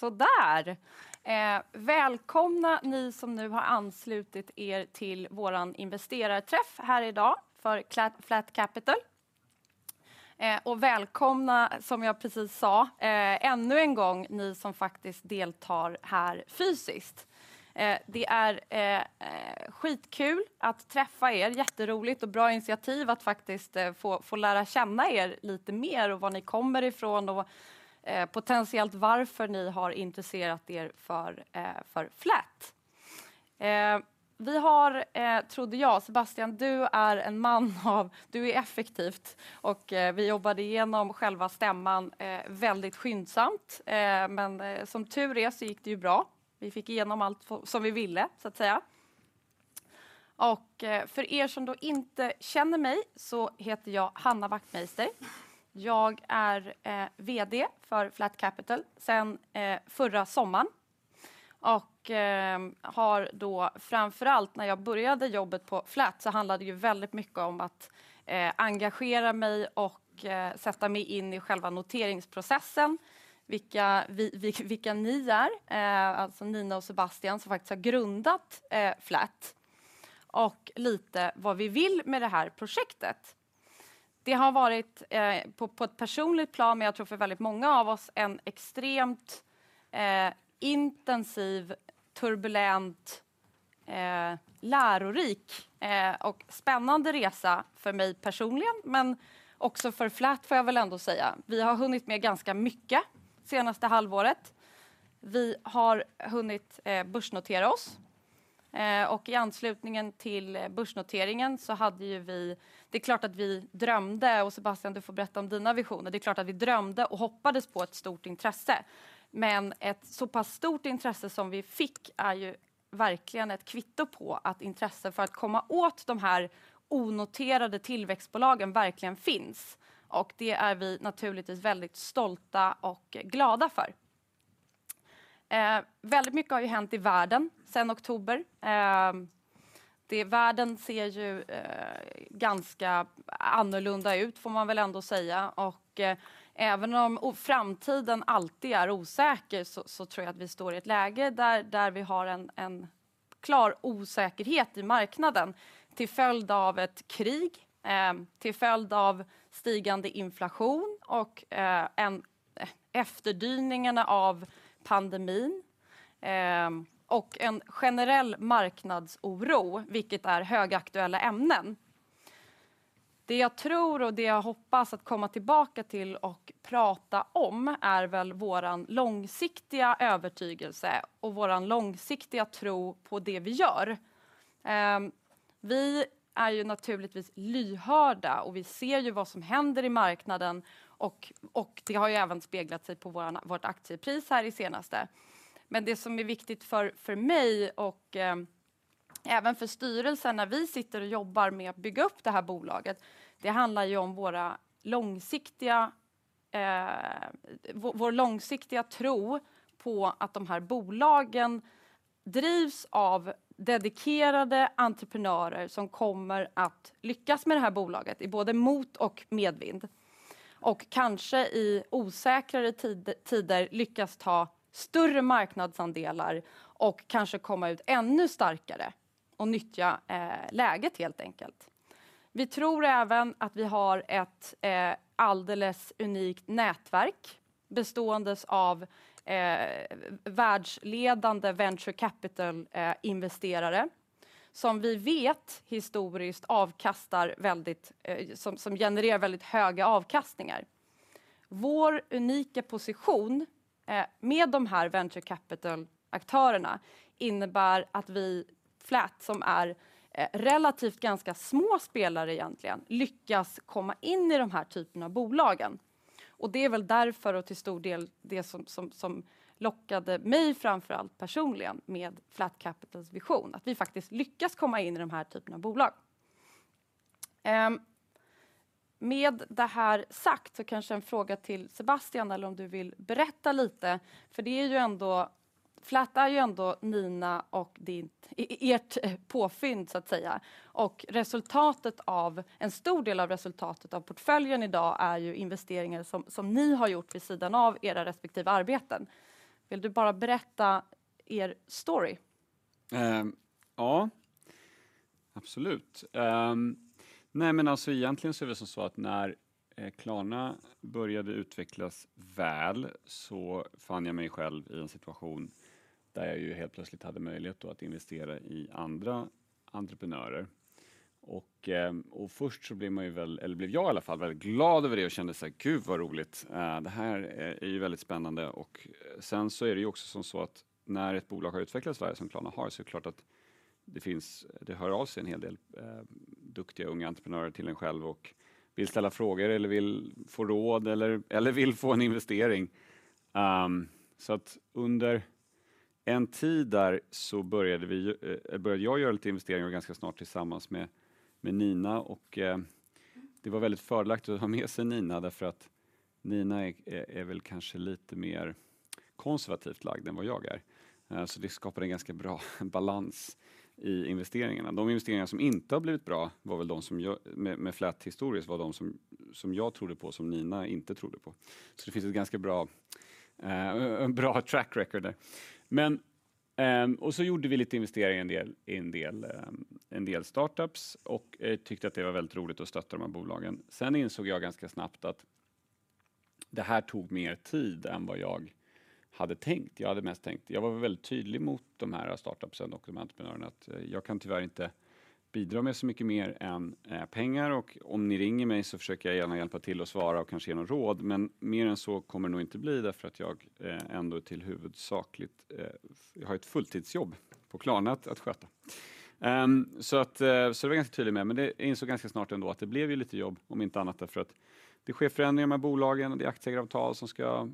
Sådär. Välkomna ni som nu har anslutit er till vår investerarträff här idag för Flat Capital. Och välkomna, som jag precis sa, ännu en gång ni som faktiskt deltar här fysiskt. Det är skitkul att träffa er, jätteroligt och bra initiativ att faktiskt få lära känna er lite mer och var ni kommer ifrån och potentiellt varför ni har intresserat er för Flat. Vi har, trodde jag, Sebastian, du är effektiv och vi jobbade igenom själva stämman väldigt skyndsamt. Men som tur är så gick det ju bra. Vi fick igenom allt som vi ville så att säga. Och för er som då inte känner mig så heter jag Hanna Wachtmeister. Jag är vd för Flat Capital sedan förra sommaren och har då framför allt när jag började jobbet på Flat så handlade det ju väldigt mycket om att engagera mig och sätta mig in i själva noteringsprocessen, vilka ni är, alltså Nina och Sebastian som faktiskt har grundat Flat och lite vad vi vill med det här projektet. Det har varit på ett personligt plan, men jag tror för väldigt många av oss en extremt intensiv, turbulent, lärorik och spännande resa för mig personligen, men också för Flat, får jag väl ändå säga. Vi har hunnit med ganska mycket senaste halvåret. Vi har hunnit börsnotera oss och i anslutningen till börsnoteringen så hade ju vi. Det är klart att vi drömde och Sebastian, du får berätta om dina visioner. Det är klart att vi drömde och hoppades på ett stort intresse, men ett så pass stort intresse som vi fick är ju verkligen ett kvitto på att intresse för att komma åt de här onoterade tillväxtbolagen verkligen finns. Det är vi naturligtvis väldigt stolta och glada för. Väldigt mycket har ju hänt i världen sedan oktober. Det världen ser ju ganska annorlunda ut får man väl ändå säga. Även om framtiden alltid är osäker så tror jag att vi står i ett läge där vi har en klar osäkerhet i marknaden till följd av ett krig, till följd av stigande inflation och efterdyningarna av pandemin, och en generell marknadsoro, vilket är högaktuella ämnen. Det jag tror och det jag hoppas att komma tillbaka till och prata om är väl vår långsiktiga övertygelse och vår långsiktiga tro på det vi gör. Vi är ju naturligtvis lyhörda och vi ser ju vad som händer i marknaden och det har ju även speglat sig på vårt aktiepris här i senaste. Det som är viktigt för mig och även för styrelsen när vi sitter och jobbar med att bygga upp det här bolaget, det handlar ju om vår långsiktiga tro på att de här bolagen drivs av dedikerade entreprenörer som kommer att lyckas med det här bolaget i både mot och medvind och kanske i osäkrare tider lyckas ta större marknadsandelar och kanske komma ut ännu starkare och nyttja läget helt enkelt. Vi tror även att vi har ett alldeles unikt nätverk bestående av världsledande venture capital-investerare som vi vet historiskt avkastar väldigt, som genererar väldigt höga avkastningar. Vår unika position med de här venture capital-aktörerna innebär att vi, Flat, som är relativt ganska små spelare egentligen, lyckas komma in i de här typerna av bolagen. Det är väl därför och till stor del det som lockade mig framför allt personligen med Flat Capitals vision. Att vi faktiskt lyckas komma in i de här typerna av bolag. Med det här sagt så kanske en fråga till Sebastian eller om du vill berätta lite, för det är ju ändå, Flat är ju ändå Nina och ditt, ert påfund så att säga. Resultatet av, en stor del av resultatet av portföljen i dag är ju investeringar som ni har gjort vid sidan av era respektive arbeten. Vill du bara berätta er story? Ja, absolut. Nej, men alltså egentligen så är det väl som så att när Klarna började utvecklas väl så fann jag mig själv i en situation där jag ju helt plötsligt hade möjlighet då att investera i andra entreprenörer. Först så blev jag i alla fall väldigt glad över det och kände såhär gud vad roligt, det här är ju väldigt spännande. Sen så är det ju också som så att när ett bolag har utvecklats väl som Klarna har, så är det klart att det finns, det hör av sig en hel del duktiga unga entreprenörer till en själv och vill ställa frågor eller vill få råd eller vill få en investering. Så att under en tid där så började jag göra lite investeringar ganska snart tillsammans med Nina. Det var väldigt fördelaktigt att ha med sig Nina därför att Nina är väl kanske lite mer konservativt lagd än vad jag är. Det skapar en ganska bra balans i investeringarna. De investeringar som inte har blivit bra var väl de som jag med Flat historiskt var de som jag trodde på, som Nina inte trodde på. Det finns ett bra track record där. Vi gjorde lite investeringar i en del startups och tyckte att det var väldigt roligt att stötta de här bolagen. Insåg jag ganska snabbt att det här tog mer tid än vad jag hade tänkt. Jag var väldigt tydlig mot de här startups och de entreprenörerna att jag tyvärr inte kan bidra med så mycket mer än pengar. Om ni ringer mig så försöker jag gärna hjälpa till och svara och kanske ge någon råd. Mer än så kommer det nog inte bli därför att jag ändå huvudsakligen har ett fulltidsjobb på Klarna att sköta. Så var jag ganska tydlig med. Jag insåg ganska snart ändå att det blev ju lite jobb om inte annat. Därför att det sker förändringar med bolagen och det är aktieägaravtal som ska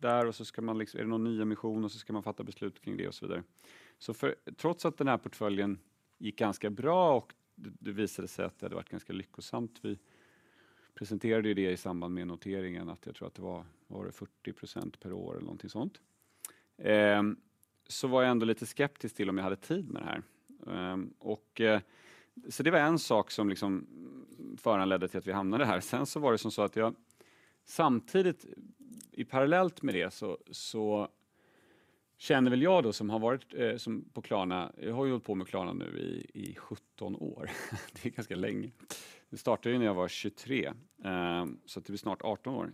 där. Så ska man liksom, är det någon nyemission och så ska man fatta beslut kring det och så vidare. Trots att den här portföljen gick ganska bra och det visade sig att det hade varit ganska lyckosamt. Vi presenterade ju det i samband med noteringen att jag tror att det var 40% per år eller någonting sånt. Var jag ändå lite skeptisk till om jag hade tid med det här. Det var en sak som liksom föranledde till att vi hamnade här. Det var som så att jag samtidigt parallellt med det kände väl jag då som har varit på Klarna. Jag har ju hållit på med Klarna nu i 17 år. Det är ganska länge. Det startade ju när jag var 23. Att det blir snart 18 år.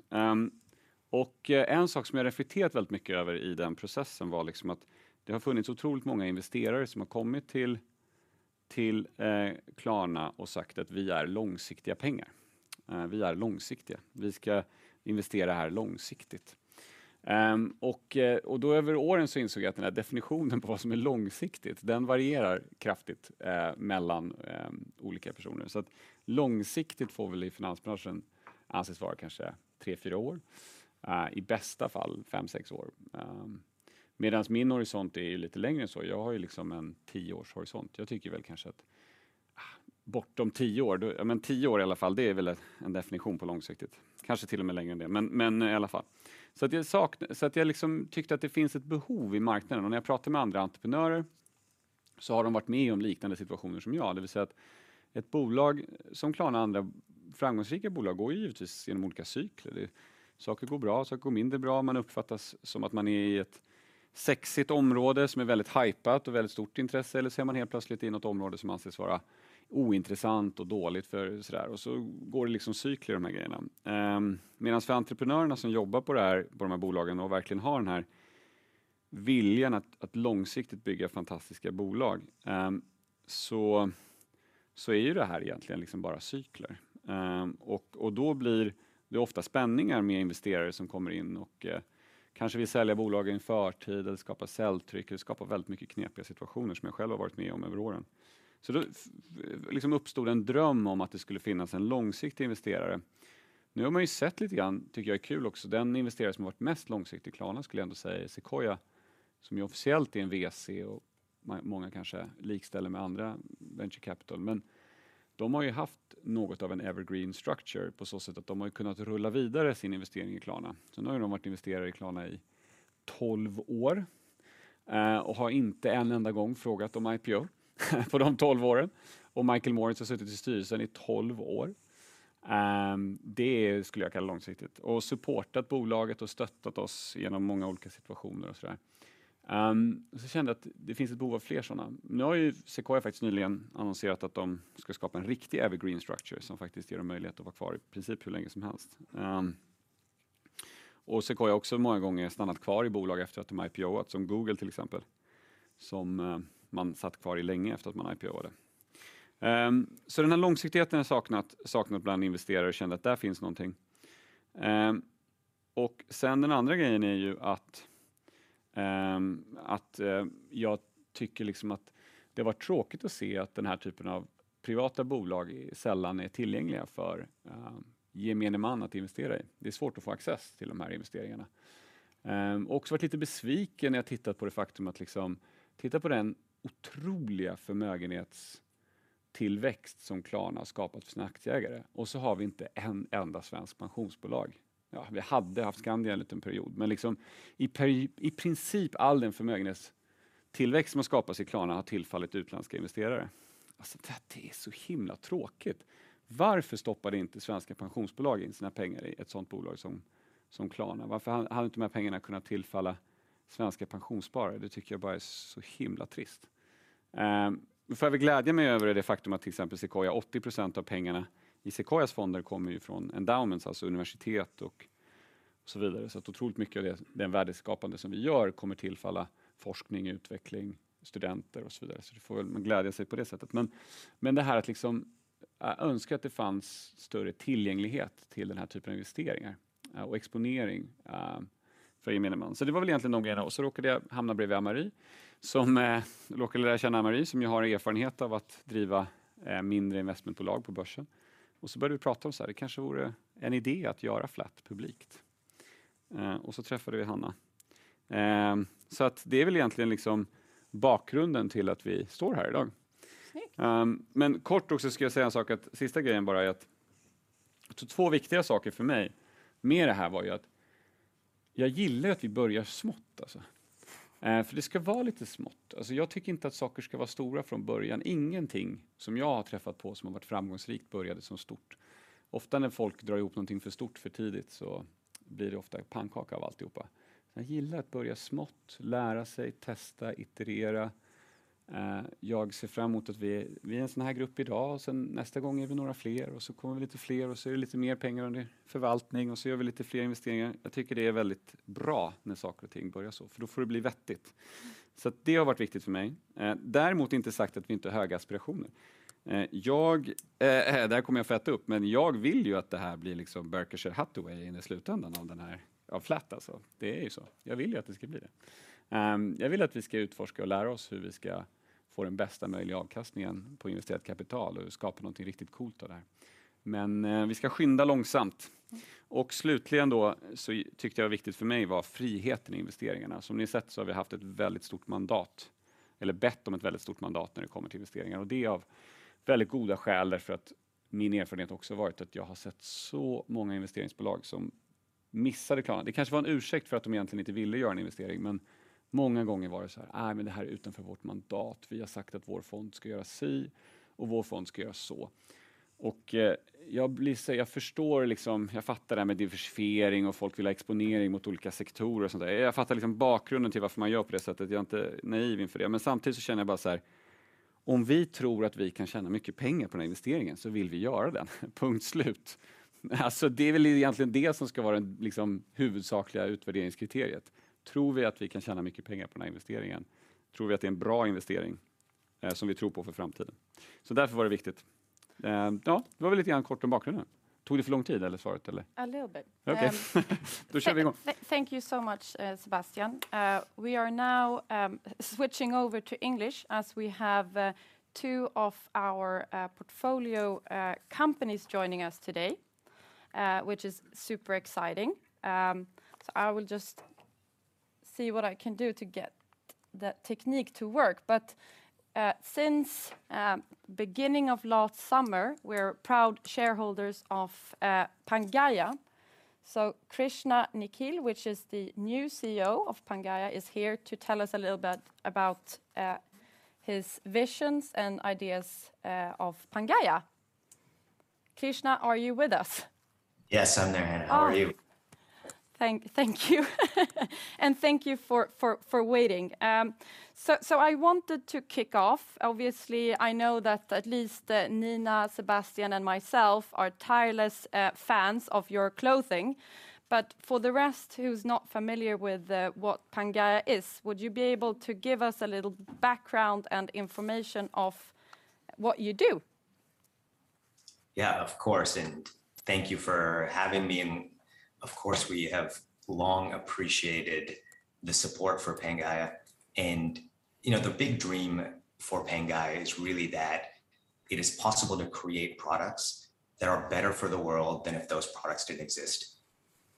En sak som jag reflekterat väldigt mycket över i den processen var liksom att det har funnits otroligt många investerare som har kommit till Klarna och sagt att vi är långsiktiga pengar. Vi är långsiktiga, vi ska investera här långsiktigt. Då över åren insåg jag att den här definitionen på vad som är långsiktigt varierar kraftigt mellan olika personer. Långsiktigt får väl i finansbranschen anses vara kanske 3-4 år, i bästa fall 5-6 år. Medans min horisont är ju lite längre än så. Jag har ju liksom en 10 års horisont. Jag tycker väl kanske att bortom 10 år, ja men 10 år i alla fall, det är väl en definition på långsiktigt. Kanske till och med längre än det, men i alla fall. Jag liksom tyckte att det finns ett behov i marknaden. När jag pratar med andra entreprenörer så har de varit med om liknande situationer som jag. Det vill säga att ett bolag som Klarna och andra framgångsrika bolag går ju givetvis igenom olika cykler. Saker går bra, saker går mindre bra. Man uppfattas som att man är i ett sexigt område som är väldigt hajpat och väldigt stort intresse. Är man helt plötsligt i något område som anses vara ointressant och dåligt för sådär. Går det liksom cykler i de här grejerna. Medan för entreprenörerna som jobbar på det här, på de här bolagen och verkligen har den här viljan att långsiktigt bygga fantastiska bolag, så är ju det här egentligen liksom bara cykler. Då blir det ofta spänningar med investerare som kommer in och kanske vill sälja bolagen i förtid eller skapa säljtryck. Det skapar väldigt mycket knepiga situationer som jag själv har varit med om över åren. Då liksom uppstod en dröm om att det skulle finnas en långsiktig investerare. Nu har man ju sett lite grann, tycker jag är kul också, den investerare som har varit mest långsiktig i Klarna skulle jag ändå säga är Sequoia, som ju officiellt är en VC och många kanske likställer med andra venture capital. De har ju haft något av en evergreen structure på så sätt att de har kunnat rulla vidare sin investering i Klarna. Har de varit investerare i Klarna i 12 år, och har inte en enda gång frågat om IPO på de 12 åren. Michael Moritz har suttit i styrelsen i 12 år. Det skulle jag kalla långsiktigt. Supportat bolaget och stöttat oss igenom många olika situationer och sådär. Och så kände jag att det finns ett behov av fler sådana. Nu har ju Sequoia faktiskt nyligen annonserat att de ska skapa en riktig evergreen structure som faktiskt ger dem möjlighet att vara kvar i princip hur länge som helst. Sequoia har också många gånger stannat kvar i bolag efter att de IPOat, som Google till exempel, som man satt kvar i länge efter att man IPOade. Så den här långsiktigheten har jag saknat bland investerare och kände att där finns någonting. Sen den andra grejen är ju att jag tycker liksom att det har varit tråkigt att se att den här typen av privata bolag sällan är tillgängliga för gemene man att investera i. Det är svårt att få access till de här investeringarna. Också varit lite besviken när jag tittat på det faktum att liksom titta på den otroliga förmögenhetstillväxt som Klarna har skapat för sina aktieägare. Har vi inte en enda svenskt pensionsbolag. Vi hade haft Skandia en liten period. I princip all den förmögenhetstillväxt som har skapats i Klarna har tillfallit utländska investerare. Det är så himla tråkigt. Varför stoppar inte svenska pensionsbolag in sina pengar i ett sådant bolag som Klarna? Varför hade inte de här pengarna kunnat tillfalla svenska pensionssparare? Det tycker jag bara är så himla trist. Jag får väl glädja mig över det faktum att till exempel Sequoia, 80% av pengarna i Sequoias fonder kommer från endowments, universitet och så vidare. Otroligt mycket av den värdeskapande som vi gör kommer tillfalla forskning, utveckling, studenter och så vidare. Det får väl glädja mig på det sättet. Men det här att liksom jag önskar att det fanns större tillgänglighet till den här typen av investeringar, och exponering, för gemene man. Så det var väl egentligen de grejerna. Och så råkade jag hamna bredvid Anne-Marie, som råkade lära känna Anne-Marie som jag har erfarenhet av att driva mindre investmentbolag på börsen. Och så började vi prata om såhär, det kanske vore en idé att göra Flat publikt. Och så träffade vi Hanna. Så att det är väl egentligen liksom bakgrunden till att vi står här i dag. Men kort också ska jag säga en sak att sista grejen bara är att två viktiga saker för mig med det här var ju att jag gillar att vi börjar smått alltså. För det ska vara lite smått. Alltså jag tycker inte att saker ska vara stora från början. Ingenting som jag har träffat på som har varit framgångsrikt började som stort. Ofta när folk drar ihop någonting för stort för tidigt så blir det ofta pannkaka av alltihop. Jag gillar att börja smått, lära sig, testa, iterera. Jag ser fram emot att vi är en sån här grupp i dag och sen nästa gång är vi några fler och så kommer vi lite fler och så är det lite mer pengar under förvaltning och så gör vi lite fler investeringar. Jag tycker det är väldigt bra när saker och ting börjar så, för då får det bli vettigt. Så att det har varit viktigt för mig. Däremot inte sagt att vi inte har höga aspirationer. Jag, det här kommer jag få äta upp, men jag vill ju att det här blir liksom Berkshire Hathaway in i slutändan av den här, av Flat alltså. Det är ju så. Jag vill ju att det ska bli det. Jag vill att vi ska utforska och lära oss hur vi ska få den bästa möjliga avkastningen på investerat kapital och skapa någonting riktigt coolt av det här. Vi ska skynda långsamt. Slutligen då så tyckte jag var viktigt för mig var friheten i investeringarna. Som ni har sett så har vi haft ett väldigt stort mandat eller bett om ett väldigt stort mandat när det kommer till investeringar. Det är av väldigt goda skäl därför att min erfarenhet också har varit att jag har sett så många investeringsbolag som missade planen. Det kanske var en ursäkt för att de egentligen inte ville göra en investering, men många gånger var det såhär, "Nej, men det här är utanför vårt mandat. Vi har sagt att vår fond ska göra si och vår fond ska göra så." Jag blir såhär, jag förstår liksom, jag fattar det här med diversifiering och folk vill ha exponering mot olika sektorer och sånt där. Jag fattar liksom bakgrunden till varför man gör på det sättet. Jag är inte naiv inför det, men samtidigt så känner jag bara såhär, om vi tror att vi kan tjäna mycket pengar på den här investeringen så vill vi göra den. Punkt slut. Alltså, det är väl egentligen det som ska vara det liksom huvudsakliga utvärderingskriteriet. Tror vi att vi kan tjäna mycket pengar på den här investeringen? Tror vi att det är en bra investering, som vi tror på för framtiden? Därför var det viktigt. Ja, det var väl lite grann kort om bakgrunden. Tog det för lång tid, eller svaret eller? A little bit. Okej. Då kör vi igång. Thank you so much, Sebastian. We are now switching over to English as we have two of our portfolio companies joining us today, which is super exciting. I will just see what I can do to get that technology to work. Since beginning of last summer, we're proud shareholders of PANGAIA. Krishna Nikhil, who is the new CEO of PANGAIA, is here to tell us a little bit about his visions and ideas of PANGAIA. Krishna, are you with us? Yes, I'm there, Hanna. How are you? Thank you. Thank you for waiting. I wanted to kick off. Obviously, I know that at least Nina, Sebastian, and myself are tireless fans of your clothing, but for the rest who's not familiar with what PANGAIA is, would you be able to give us a little background and information of what you do? Yeah, of course. Thank you for having me. Of course, we have long appreciated the support for PANGAIA. You know, the big dream for PANGAIA is really that it is possible to create products that are better for the world than if those products didn't exist.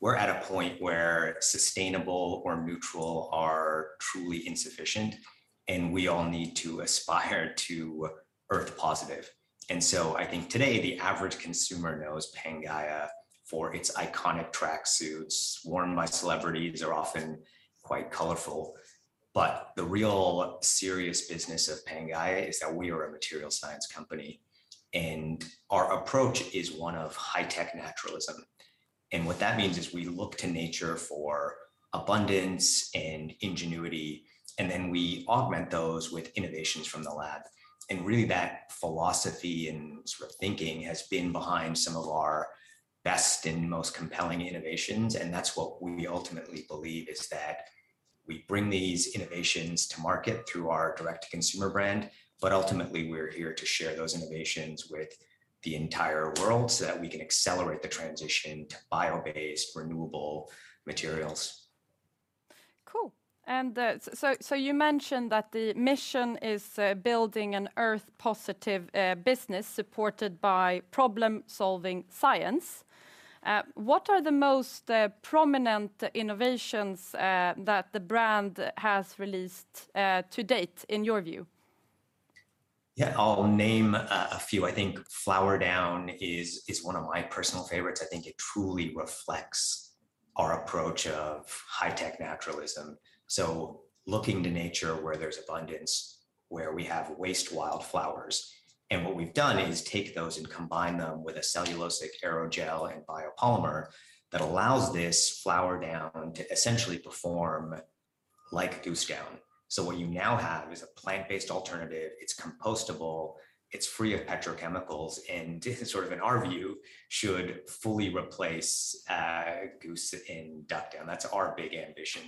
We're at a point where sustainable or neutral are truly insufficient, and we all need to aspire to Earth positive. I think today the average consumer knows PANGAIA for its iconic tracksuits worn by celebrities are often quite colorful. The real serious business of PANGAIA is that we are a material science company, and our approach is one of high-tech naturalism. What that means is we look to nature for abundance and ingenuity, and then we augment those with innovations from the lab. Really that philosophy and sort of thinking has been behind some of our best and most compelling innovations. That's what we ultimately believe is that we bring these innovations to market through our direct-to-consumer brand. Ultimately, we're here to share those innovations with the entire world so that we can accelerate the transition to bio-based renewable materials. Cool. So you mentioned that the mission is building an Earth positive business supported by problem-solving science. What are the most prominent innovations that the brand has released to date in your view? Yeah, I'll name a few. I think FLWRDWN™ is one of my personal favorites. I think it truly reflects our approach of high-tech naturalism. Looking to nature where there's abundance, where we have waste wildflowers, and what we've done is take those and combine them with a cellulosic aerogel and biopolymer that allows this FLWRDWN™ to essentially perform like goose down. What you now have is a plant-based alternative. It's compostable, it's free of petrochemicals, and sort of in our view, should fully replace goose and duck down. That's our big ambition.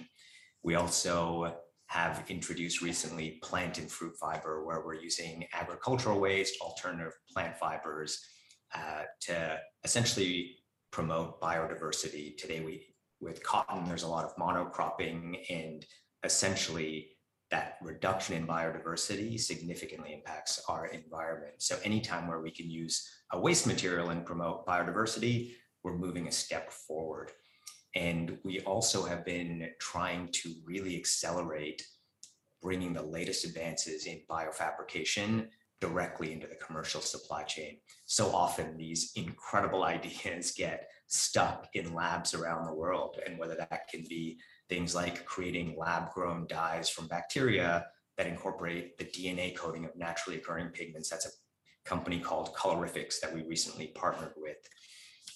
We also have introduced recently FRUTFIBER, where we're using agricultural waste, alternative plant fibers to essentially promote biodiversity. Today, with cotton, there's a lot of monocropping, and essentially that reduction in biodiversity significantly impacts our environment. Anytime where we can use a waste material and promote biodiversity, we're moving a step forward. We also have been trying to really accelerate bringing the latest advances in biofabrication directly into the commercial supply chain. Often these incredible ideas get stuck in labs around the world, and whether that can be things like creating lab-grown dyes from bacteria that incorporate the DNA coding of naturally occurring pigments. That's a company called Colorifix that we recently partnered with,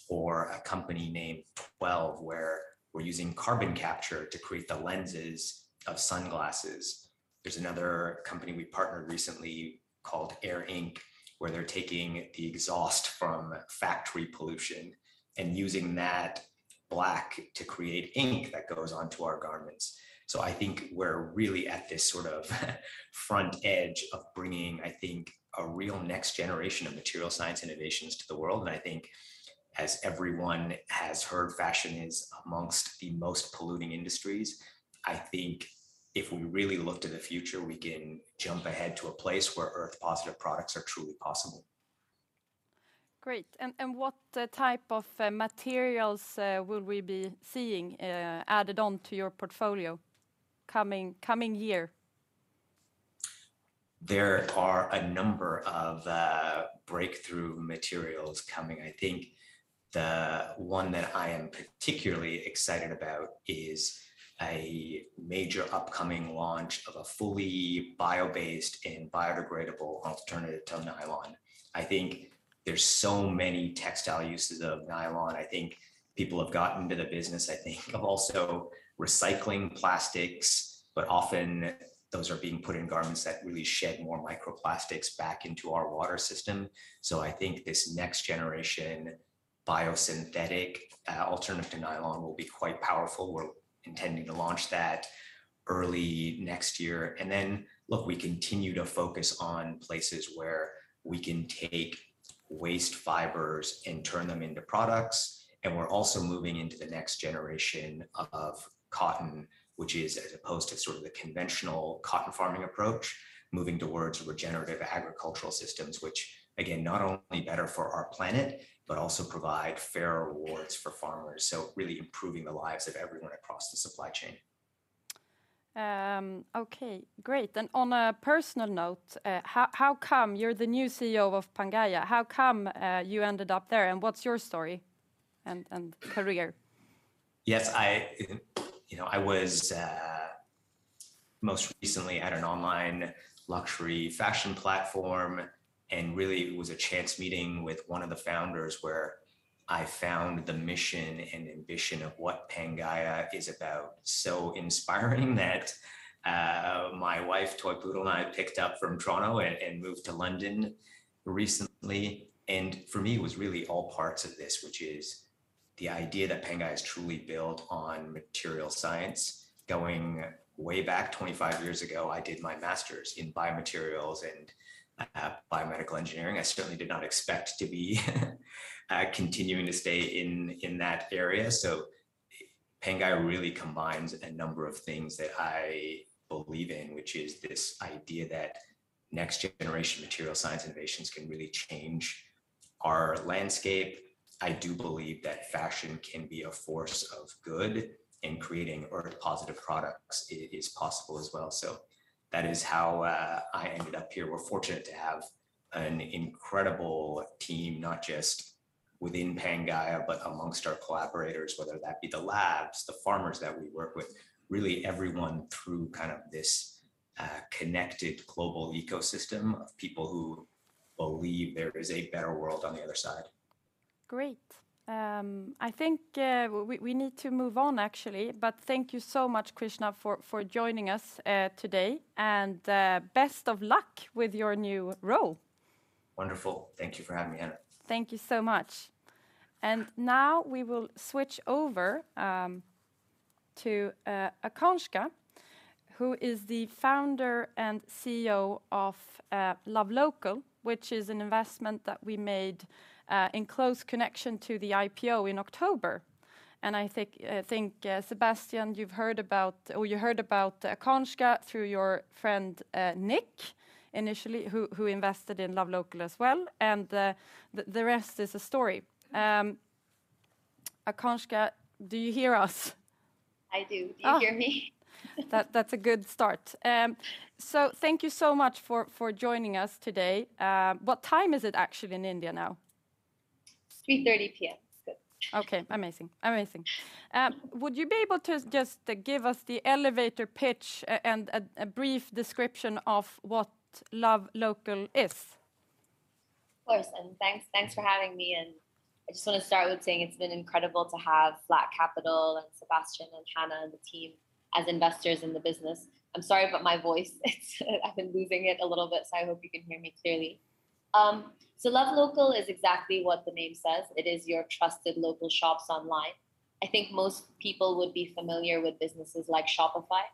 or a company named Twelve, where we're using carbon capture to create the lenses of sunglasses. There's another company we partnered recently called AIR-INK, where they're taking the exhaust from factory pollution and using that black to create ink that goes onto our garments. I think we're really at this sort of front edge of bringing, I think, a real next generation of material science innovations to the world. I think as everyone has heard, fashion is amongst the most polluting industries. I think if we really look to the future, we can jump ahead to a place where Earth positive products are truly possible. Great. What type of materials will we be seeing added on to your portfolio coming year? There are a number of breakthrough materials coming. I think the one that I am particularly excited about is a major upcoming launch of a fully bio-based and biodegradable alternative to nylon. I think there's so many textile uses of nylon. I think people have gotten to the business, I think, of also recycling plastics, but often those are being put in garments that really shed more microplastics back into our water system. I think this next generation biosynthetic alternative to nylon will be quite powerful. We're intending to launch that early next year. Look, we continue to focus on places where we can take waste fibers and turn them into products, and we're also moving into the next generation of cotton, which is as opposed to sort of the conventional cotton farming approach, moving towards regenerative agricultural systems, which again, not only better for our planet, but also provide fair rewards for farmers, so really improving the lives of everyone across the supply chain. Okay. Great. On a personal note, how come you're the new CEO of PANGAIA? How come you ended up there, and what's your story and career? Yes, you know, I was most recently at an online luxury fashion platform, and really it was a chance meeting with one of the founders where I found the mission and ambition of what PANGAIA is about so inspiring that my wife, Torbudl, and I picked up from Toronto and moved to London recently. For me, it was really all parts of this, which is the idea that PANGAIA is truly built on material science. Going way back 25 years ago, I did my master's in biomaterials and biomedical engineering. I certainly did not expect to be continuing to stay in that area. PANGAIA really combines a number of things that I believe in, which is this idea that next generation material science innovations can really change our landscape. I do believe that fashion can be a force of good, and creating Earth positive products is possible as well. That is how I ended up here. We're fortunate to have an incredible team, not just within PANGAIA, but amongst our collaborators, whether that be the labs, the farmers that we work with, really everyone through kind of this connected global ecosystem of people who believe there is a better world on the other side. Great. I think we need to move on actually. Thank you so much, Krishna, for joining us today, and best of luck with your new role. Wonderful. Thank you for having me, Anna. Thank you so much. Now we will switch over to Akanksha, who is the founder and CEO of LoveLocal, which is an investment that we made in close connection to the IPO in October. I think Sebastian, you've heard about, or you heard about Akanksha through your friend Nick initially, who invested in LoveLocal as well, and the rest is a story. Akanksha, do you hear us? I do. Oh. Do you hear me? That, that's a good start. Thank you so much for joining us today. What time is it actually in India now? It's 3:30 P.M. It's good. Okay. Amazing. Would you be able to just give us the elevator pitch and a brief description of what LoveLocal is? Of course, thanks for having me, and I just wanna start with saying it's been incredible to have Flat Capital and Sebastian and Hanna and the team as investors in the business. I'm sorry about my voice. It's, I've been losing it a little bit, so I hope you can hear me clearly. LoveLocal is exactly what the name says. It is your trusted local shops online. I think most people would be familiar with businesses like Shopify.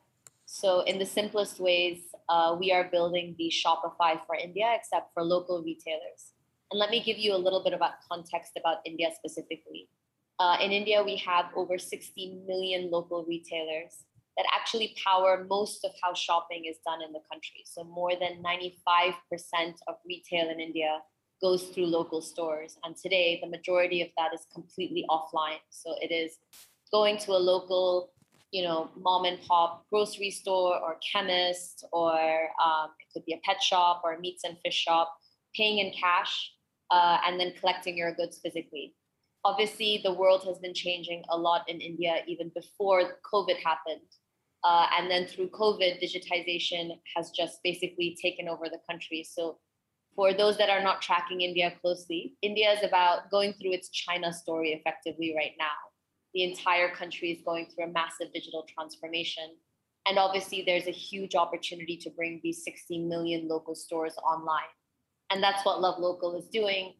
In the simplest ways, we are building the Shopify for India, except for local retailers. Let me give you a little bit about context about India specifically. In India, we have over 60 million local retailers that actually power most of how shopping is done in the country. More than 95% of retail in India goes through local stores, and today, the majority of that is completely offline. It is going to a local, you know, mom-and-pop grocery store or chemist, or, it could be a pet shop or a meats and fish shop, paying in cash, and then collecting your goods physically. Obviously, the world has been changing a lot in India even before COVID happened. Through COVID, digitization has just basically taken over the country. For those that are not tracking India closely, India is about going through its China story effectively right now. The entire country is going through a massive digital transformation. Obviously, there's a huge opportunity to bring these 60 million local stores online. That's what LoveLocal is doing.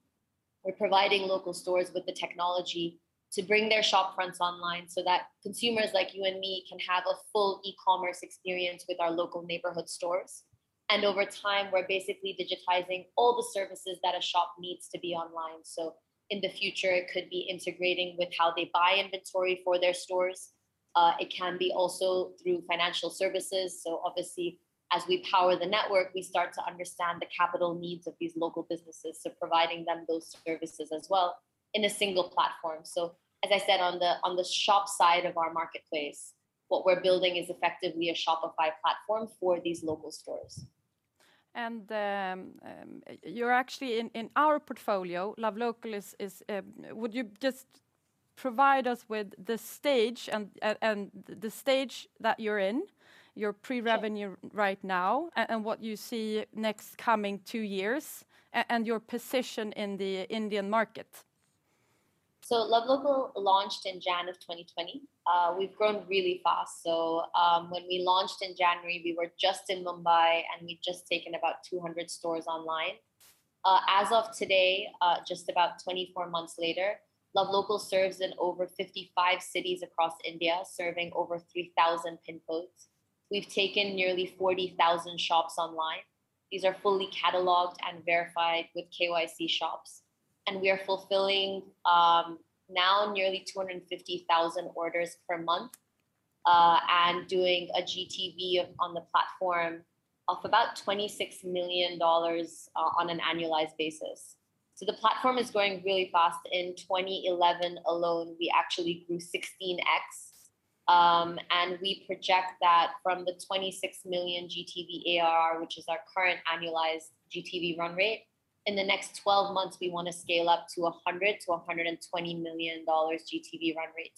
We're providing local stores with the technology to bring their shop fronts online so that consumers like you and me can have a full e-commerce experience with our local neighborhood stores. Over time, we're basically digitizing all the services that a shop needs to be online. In the future, it could be integrating with how they buy inventory for their stores. It can be also through financial services. Obviously, as we power the network, we start to understand the capital needs of these local businesses, so providing them those services as well in a single platform. As I said, on the shop side of our marketplace, what we're building is effectively a Shopify platform for these local stores. You're actually in our portfolio. LoveLocal is. Would you just provide us with the stage and the stage that you're in? You're pre-revenue right now and what you see next coming two years and your position in the Indian market. LoveLocal launched in January 2020. We've grown really fast. When we launched in January, we were just in Mumbai, and we've just taken about 200 stores online. As of today, just about 24 months later, LoveLocal serves in over 55 cities across India, serving over 3,000 pin codes. We've taken nearly 40,000 shops online. These are fully cataloged and verified with KYC shops. We are fulfilling now nearly 250,000 orders per month and doing a GTV on the platform of about $26 million on an annualized basis. The platform is growing really fast. In 2011 alone, we actually grew 16x, and we project that from the $26 million GTV ARR, which is our current annualized GTV run rate, in the next 12 months, we wanna scale up to a $100-$120 million GTV run rate.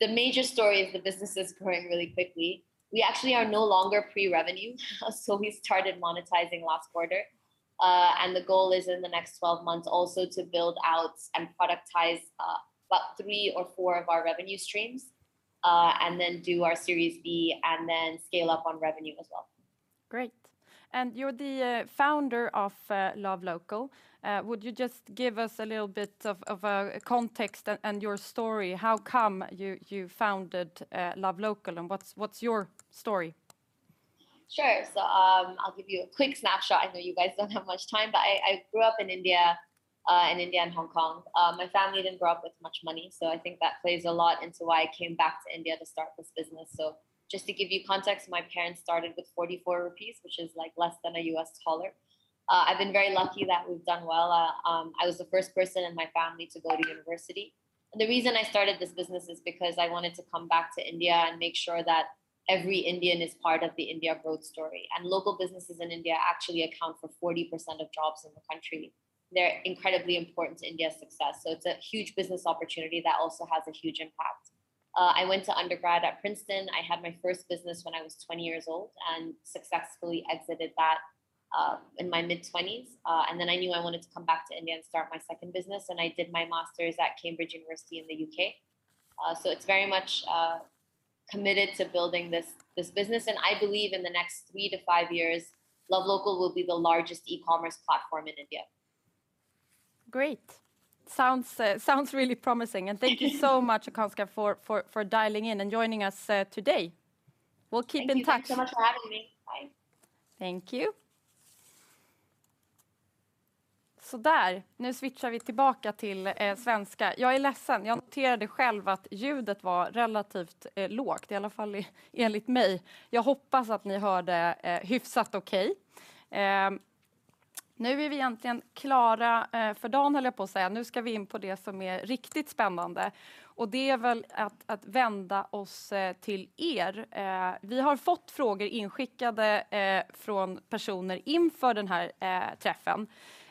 The major story is the business is growing really quickly. We actually are no longer pre-revenue, so we started monetizing last quarter. The goal is in the next 12 months also to build out and productize about 3 or 4 of our revenue streams, and then do our Series B and then scale up on revenue as well. Great. You're the founder of LoveLocal. Would you just give us a little bit of context and your story? How come you founded LoveLocal, and what's your story? Sure. I'll give you a quick snapshot. I know you guys don't have much time, but I grew up in India and Hong Kong. My family didn't grow up with much money, so I think that plays a lot into why I came back to India to start this business. Just to give you context, my parents started with 44 rupees, which is, like, less than $1. I've been very lucky that we've done well. I was the first person in my family to go to university. The reason I started this business is because I wanted to come back to India and make sure that every Indian is part of the India growth story. Local businesses in India actually account for 40% of jobs in the country. They're incredibly important to India's success, so it's a huge business opportunity that also has a huge impact. I went to undergrad at Princeton. I had my first business when I was 20 years old and successfully exited that in my mid-20s. I knew I wanted to come back to India and start my second business, and I did my master's at Cambridge University in the UK. It's very much committed to building this business. I believe in the next 3-5 years, LoveLocal will be the largest e-commerce platform in India. Great. Sounds really promising. Thank you so much, Akanksha, for dialing in and joining us today. We'll keep in touch. Thank you so much for having me. Bye. Thank you. Så där. Nu switchar vi tillbaka till svenska. Jag är ledsen. Jag noterade själv att ljudet var relativt lågt, i alla fall enligt mig. Jag hoppas att ni hörde hyfsat okej. Nu är vi egentligen klara för dagen, höll jag på att säga. Nu ska vi in på det som är riktigt spännande och det är väl att vända oss till er. Vi har fått frågor inskickade från personer inför den här träffen.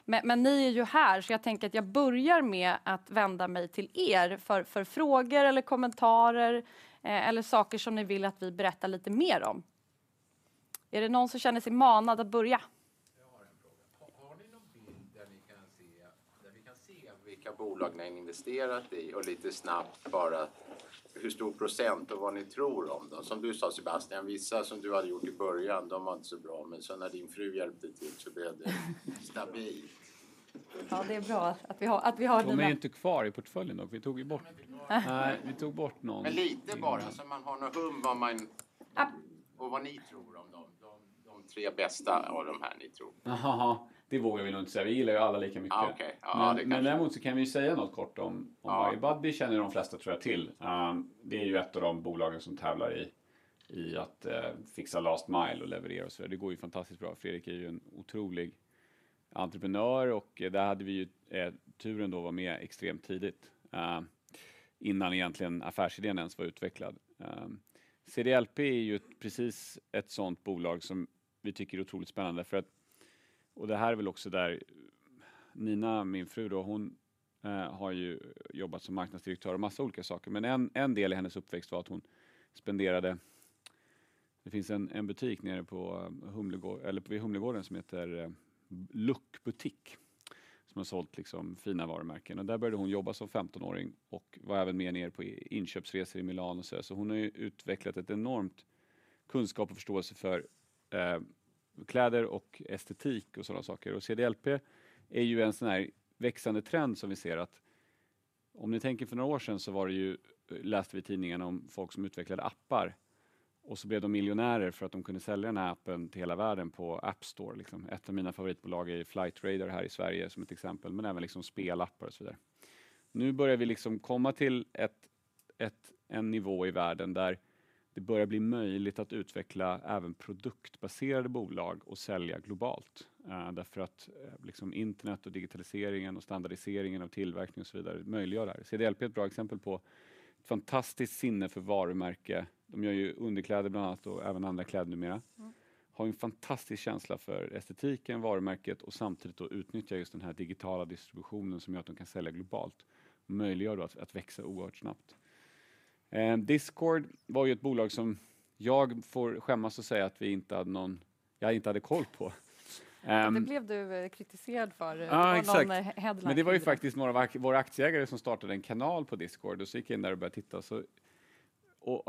Men ni är ju här, så jag tänker att jag börjar med att vända mig till er för frågor eller kommentarer, eller saker som ni vill att vi berättar lite mer om. Är det någon som känner sig manad att börja? Jag har en fråga. Har ni någon bild där vi kan se vilka bolag ni har investerat i och lite snabbt bara hur stor procent och vad ni tror om dem? Som du sa, Sebastian, vissa som du hade gjort i början, de var inte så bra, men sen när din fru hjälpte till så blev det stabilt. Ja, det är bra att vi har den. De är inte kvar i portföljen dock. Nej, vi tog bort någon. Lite bara så man har nå hum vad man. Och vad ni tror om dem. De tre bästa av de här ni tror. Jaha. Det vågar vi nog inte säga. Vi gillar ju alla lika mycket. Okej, ja, det kanske. Däremot så kan vi ju säga något kort om Budbee. Känner de flesta, tror jag, till. Det är ju ett av de bolagen som tävlar i att fixa last mile och leverera och så vidare. Det går ju fantastiskt bra. Fredrik är ju en otrolig entreprenör och där hade vi ju turen att vara med extremt tidigt innan egentligen affärsidén ens var utvecklad. CDLP är ju precis ett sådant bolag som vi tycker är otroligt spännande för att, och det här är väl också där Nina, min fru, hon har ju jobbat som marknadsdirektör och massa olika saker. En del i hennes uppväxt var. Det finns en butik nere på Humlegården eller vid Humlegården som heter Look Boutique som har sålt liksom fina varumärken. Där började hon jobba som femtonåring och var även med nere på inköpsresor i Milano och sådär. Hon har ju utvecklat en enorm kunskap och förståelse för kläder och estetik och sådana saker. CDLP är ju en sån här växande trend som vi ser att. Om ni tänker för några år sen så var det ju, läste vi i tidningen om folk som utvecklade appar och så blev de miljonärer för att de kunde sälja den här appen till hela världen på App Store liksom. Ett av mina favoritbolag är Flightradar24 här i Sverige som ett exempel, men även liksom spelappar och så vidare. Nu börjar vi liksom komma till en nivå i världen där det börjar bli möjligt att utveckla även produktbaserade bolag och sälja globalt. Därför att liksom internet och digitaliseringen och standardiseringen av tillverkning och så vidare möjliggör det här. CDLP är ett bra exempel på ett fantastiskt sinne för varumärke. De gör ju underkläder bland annat och även andra kläder numera. Har ju en fantastisk känsla för estetiken, varumärket och samtidigt då utnyttjar just den här digitala distributionen som gör att de kan sälja globalt. Möjliggör då att växa oerhört snabbt. Discord var ju ett bolag som jag får skämmas att säga att vi inte hade någon, jag inte hade koll på. Det blev du kritiserad för. Ja exakt. Det var någon headline. Det var ju faktiskt några av våra aktieägare som startade en kanal på Discord och så gick jag in där och började titta.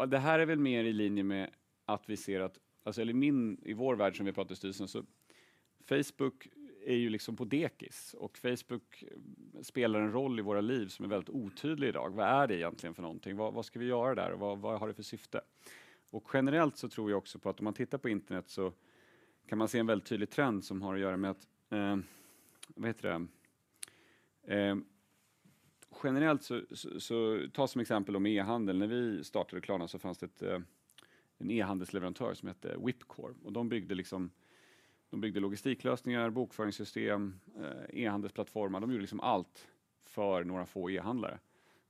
Det här är väl mer i linje med att vi ser att, alltså eller min, i vår värld som vi pratar i styrelsen, så Facebook är ju liksom på dekis och Facebook spelar en roll i våra liv som är väldigt otydlig i dag. Vad är det egentligen för någonting? Vad ska vi göra där? Vad har det för syfte? Generellt så tror jag också på att om man tittar på internet så kan man se en väldigt tydlig trend som har att göra med att, vad heter det? Generellt så ta som exempel om e-handel. När vi startade Klarna så fanns det en e-handelsleverantör som hette Wipcore. De byggde liksom logistiklösningar, bokföringssystem, e-handelsplattformar. De gjorde liksom allt för några få e-handlare.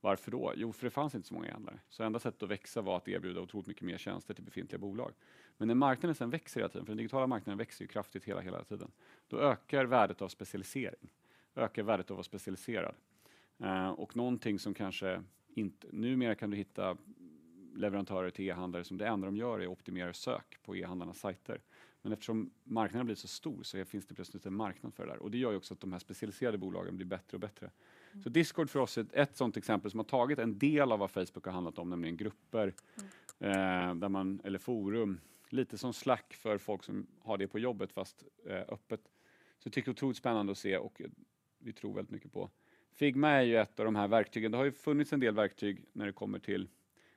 Varför då? För det fanns inte så många e-handlare. Enda sättet att växa var att erbjuda otroligt mycket mer tjänster till befintliga bolag. När marknaden sedan växer hela tiden, för den digitala marknaden växer ju kraftigt hela tiden. Ökar värdet av specialisering, ökar värdet av att vara specialiserad. Numera kan du hitta leverantörer till e-handlare som det enda de gör är att optimera sök på e-handlarnas sajter. Eftersom marknaden blir så stor så finns det plötsligt en marknad för det där. Det gör ju också att de här specialiserade bolagen blir bättre och bättre. Discord för oss är ett sådant exempel som har tagit en del av vad Facebook har handlat om, nämligen grupper där man eller forum. Lite som Slack för folk som har det på jobbet, fast öppet. Det tycker jag är otroligt spännande att se och vi tror väldigt mycket på. Figma är ju ett av de här verktygen. Det har ju funnits en del verktyg.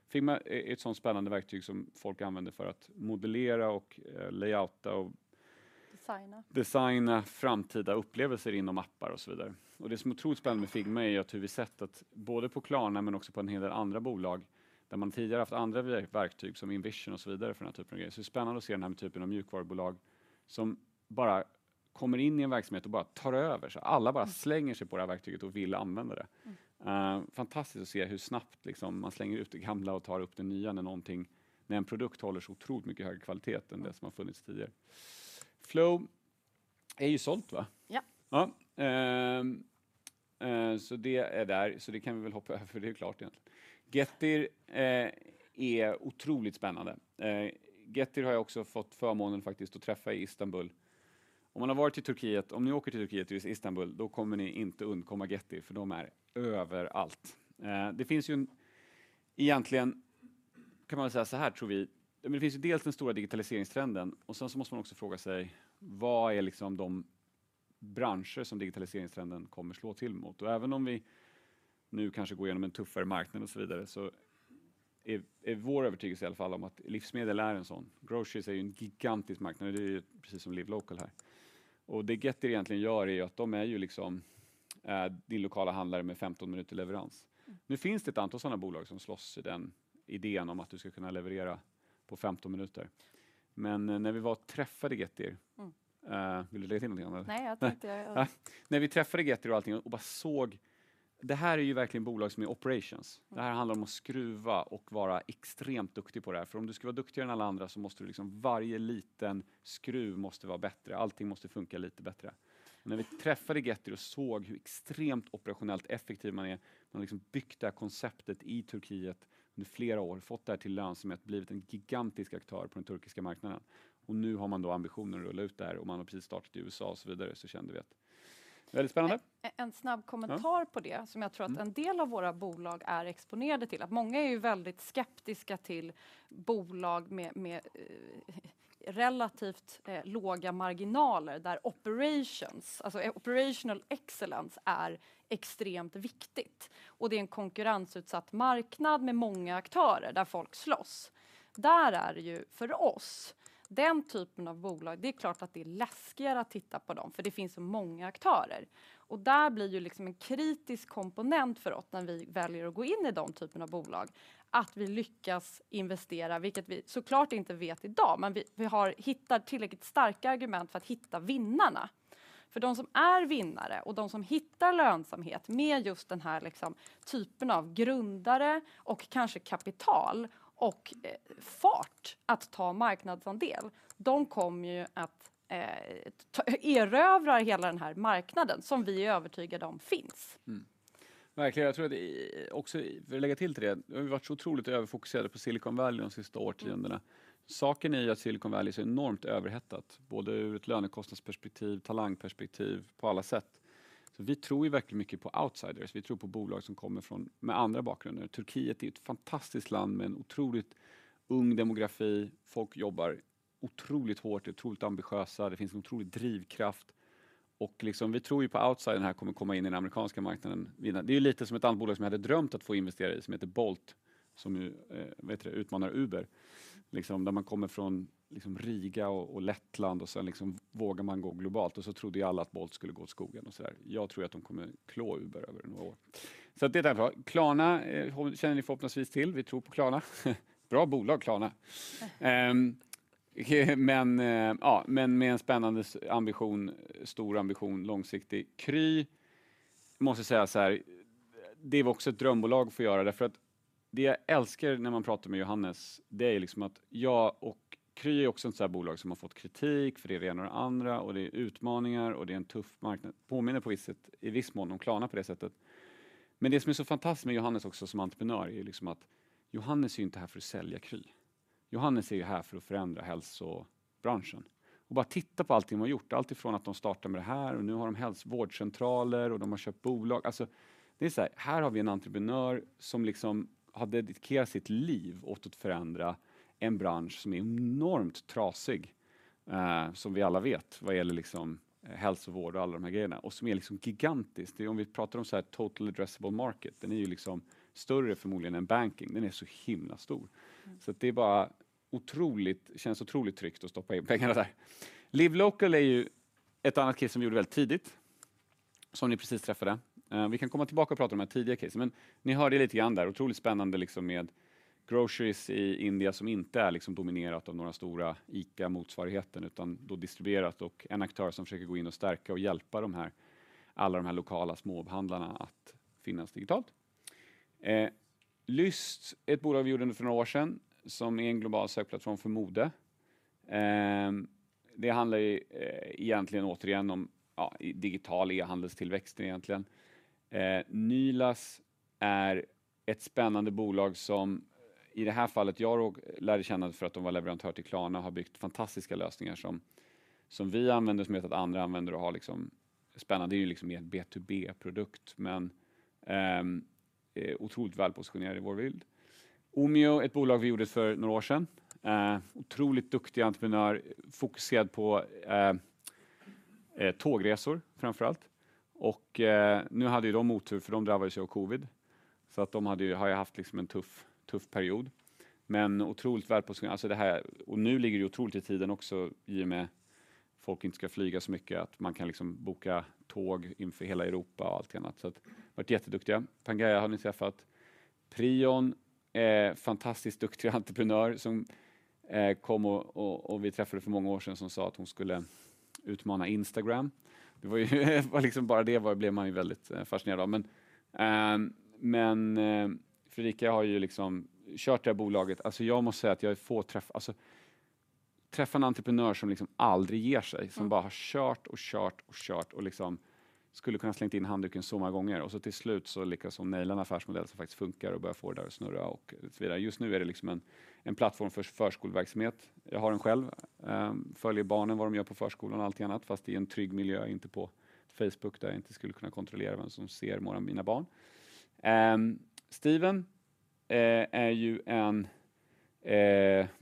Figma är ett sådant spännande verktyg som folk använder för att modellera och lay-outa och- Designa. Designa framtida upplevelser inom appar och så vidare. Det som är otroligt spännande med Figma är ju att hur vi sett att både på Klarna men också på en hel del andra bolag där man tidigare haft andra verktyg som InVision och så vidare för den här typen av grejer. Det är spännande att se den här typen av mjukvarubolag som bara kommer in i en verksamhet och bara tar över. Alla bara slänger sig på det här verktyget och vill använda det. Fantastiskt att se hur snabbt liksom man slänger ut det gamla och tar upp det nya när någonting, när en produkt håller så otroligt mycket högre kvalitet än det som har funnits tidigare. Flow är ju sålt va? Ja. Det är där. Det kan vi väl hoppa över för det är klart egentligen. Getir är otroligt spännande. Getir har jag också fått förmånen faktiskt att träffa i Istanbul. Om man har varit i Turkiet, om ni åker till Turkiet och till Istanbul, då kommer ni inte undkomma Getir för de är överallt. Det finns ju egentligen, kan man väl säga så här tror vi. Det finns ju dels den stora digitaliseringstrenden och sen så måste man också fråga sig vad är liksom de branscher som digitaliseringstrenden kommer slå till mot? Även om vi nu kanske går igenom en tuffare marknad och så vidare så är vår övertygelse i alla fall om att livsmedel är en sådan. Groceries är ju en gigantisk marknad. Det är ju precis som LoveLocal här. Det Getir egentligen gör är ju att de är ju liksom din lokala handlare med 15 minuter leverans. Nu finns det ett antal sådana bolag som slåss i den idén om att du ska kunna leverera på 15 minuter. När vi var och träffade Getir. Vill du lägga till någonting Anna? Nej, jag tycker. När vi träffade Getir och allting och bara såg, det här är ju verkligen bolag som är operationella. Det här handlar om att skruva och vara extremt duktig på det här. För om du ska vara duktigare än alla andra så måste du liksom varje liten skruv måste vara bättre. Allting måste funka lite bättre. När vi träffade Getir och såg hur extremt operationellt effektiva man är. Man har liksom byggt det här konceptet i Turkiet under flera år, fått det här till lönsamhet, blivit en gigantisk aktör på den turkiska marknaden. Nu har man då ambitionen att rulla ut det här och man har precis startat i USA och så vidare. Kände vi att väldigt spännande. En snabb kommentar på det som jag tror att en del av våra bolag är exponerade till. Att många är ju väldigt skeptiska till bolag med relativt låga marginaler där operational excellence är extremt viktigt. Det är en konkurrensutsatt marknad med många aktörer där folk slåss. Där är det ju för oss. Den typen av bolag, det är klart att det är läskigare att titta på dem för det finns så många aktörer. Där blir ju liksom en kritisk komponent för oss när vi väljer att gå in i den typen av bolag att vi lyckas investera, vilket vi så klart inte vet i dag. Vi har hittat tillräckligt starka argument för att hitta vinnarna. För de som är vinnare och de som hittar lönsamhet med just den här liksom typen av grundare och kanske kapital och fart att ta marknadsandel. De kommer ju att erövra hela den här marknaden som vi är övertygade om finns. Verkligen. Jag tror att också för att lägga till det. Vi har varit så otroligt överfokuserade på Silicon Valley de sista årtiondena. Saken är ju att Silicon Valley är så enormt överhettat, både ur ett lönekostnadsperspektiv, talangperspektiv, på alla sätt. Vi tror ju verkligen mycket på outsiders. Vi tror på bolag som kommer från, med andra bakgrunder. Turkiet är ett fantastiskt land med en otroligt ung demografi. Folk jobbar otroligt hårt, otroligt ambitiösa. Det finns en otrolig drivkraft. Liksom vi tror ju på outsiders här kommer att komma in i den amerikanska marknaden. Det är lite som ett annat bolag som jag hade drömt att få investera i som heter Bolt, som ju utmanar Uber. Liksom där man kommer från Riga och Lettland och sen liksom vågar man gå globalt. Så trodde alla att Bolt skulle gå åt skogen och sådär. Jag tror att de kommer slå Uber över några år. Det är ett exempel. Klarna känner ni förhoppningsvis till. Vi tror på Klarna. Bra bolag Klarna. Ja men med en spännande ambition, stor ambition, långsiktig. Kry måste jag säga så här, det är också ett drömbolag att få göra. Därför att det jag älskar när man pratar med Johannes, det är liksom att jag och Kry är också ett sånt här bolag som har fått kritik för det ena och det andra och det är utmaningar och det är en tuff marknad. Påminner på visst sätt, i viss mån om Klarna på det sättet. Det som är så fantastiskt med Johannes också som entreprenör är ju liksom att Johannes är inte här för att sälja Kry. Johannes är ju här för att förändra hälsobranschen. Bara titta på allting de har gjort. Alltifrån att de startar med det här och nu har de hälsovårdcentraler och de har köpt bolag. Alltså, det är såhär, här har vi en entreprenör som liksom har dedikerat sitt liv åt att förändra en bransch som är enormt trasig, som vi alla vet vad gäller liksom hälsovård och alla de här grejerna. Som är liksom gigantisk. Det om vi pratar om såhär total addressable market, den är ju liksom större förmodligen än banking. Den är så himla stor. Att det är bara otroligt, känns otroligt tryggt att stoppa in pengarna där. LoveLocal är ju ett annat case som vi gjorde väldigt tidigt, som ni precis träffade. Vi kan komma tillbaka och prata om de här tidiga casen. Ni hörde lite grann där. Otroligt spännande liksom med groceries i Indien som inte är liksom dominerat av några stora ICA-motsvarigheter, utan då distribuerat och en aktör som försöker gå in och stärka och hjälpa de här, alla de här lokala småhandelarna att finnas digitalt. Lyst, ett bolag vi gjorde för några år sedan som är en global sökplattform för mode. Det handlar ju egentligen återigen om, ja, digital e-handelstillväxt egentligen. Nylas är ett spännande bolag som i det här fallet jag lärde känna för att de var leverantör till Klarna har byggt fantastiska lösningar som vi använder, som jag vet att andra använder och har liksom spännande. Det är ju liksom mer en B2B-produkt men, otroligt välpositionerad i vår bild. Omio, ett bolag vi gjorde för några år sedan. Otroligt duktiga entreprenörer, fokuserad på, tågresor framför allt. Nu hade ju de otur för de drabbades ju av covid. För att de hade ju haft en tuff period. Otroligt välpositionerat. Alltså det här. Nu ligger det otroligt i tiden också i och med folk inte ska flyga så mycket att man kan liksom boka tåg inför hela Europa och allt annat. De har varit jätteduktiga. PANGAIA har ni träffat. Prion, fantastiskt duktig entreprenör som kom och vi träffade för många år sedan som sa att hon skulle utmana Instagram. Det var ju liksom bara det. Blev man ju väldigt fascinerad av. Fredrika har ju liksom kört det här bolaget. Alltså jag måste säga att få träffa en entreprenör som liksom aldrig ger sig, som bara har kört och kört och kört och liksom skulle kunna slängt in handduken så många gånger. Till slut så lyckas hon naila en affärsmodell som faktiskt funkar och börja få det där och snurra och så vidare. Just nu är det liksom en plattform för förskoleverksamhet. Jag har den själv, följer barnen, vad de gör på förskolan och allt annat. Fast det är en trygg miljö, inte på Facebook där jag inte skulle kunna kontrollera vem som ser mina barn. Steppen är ju en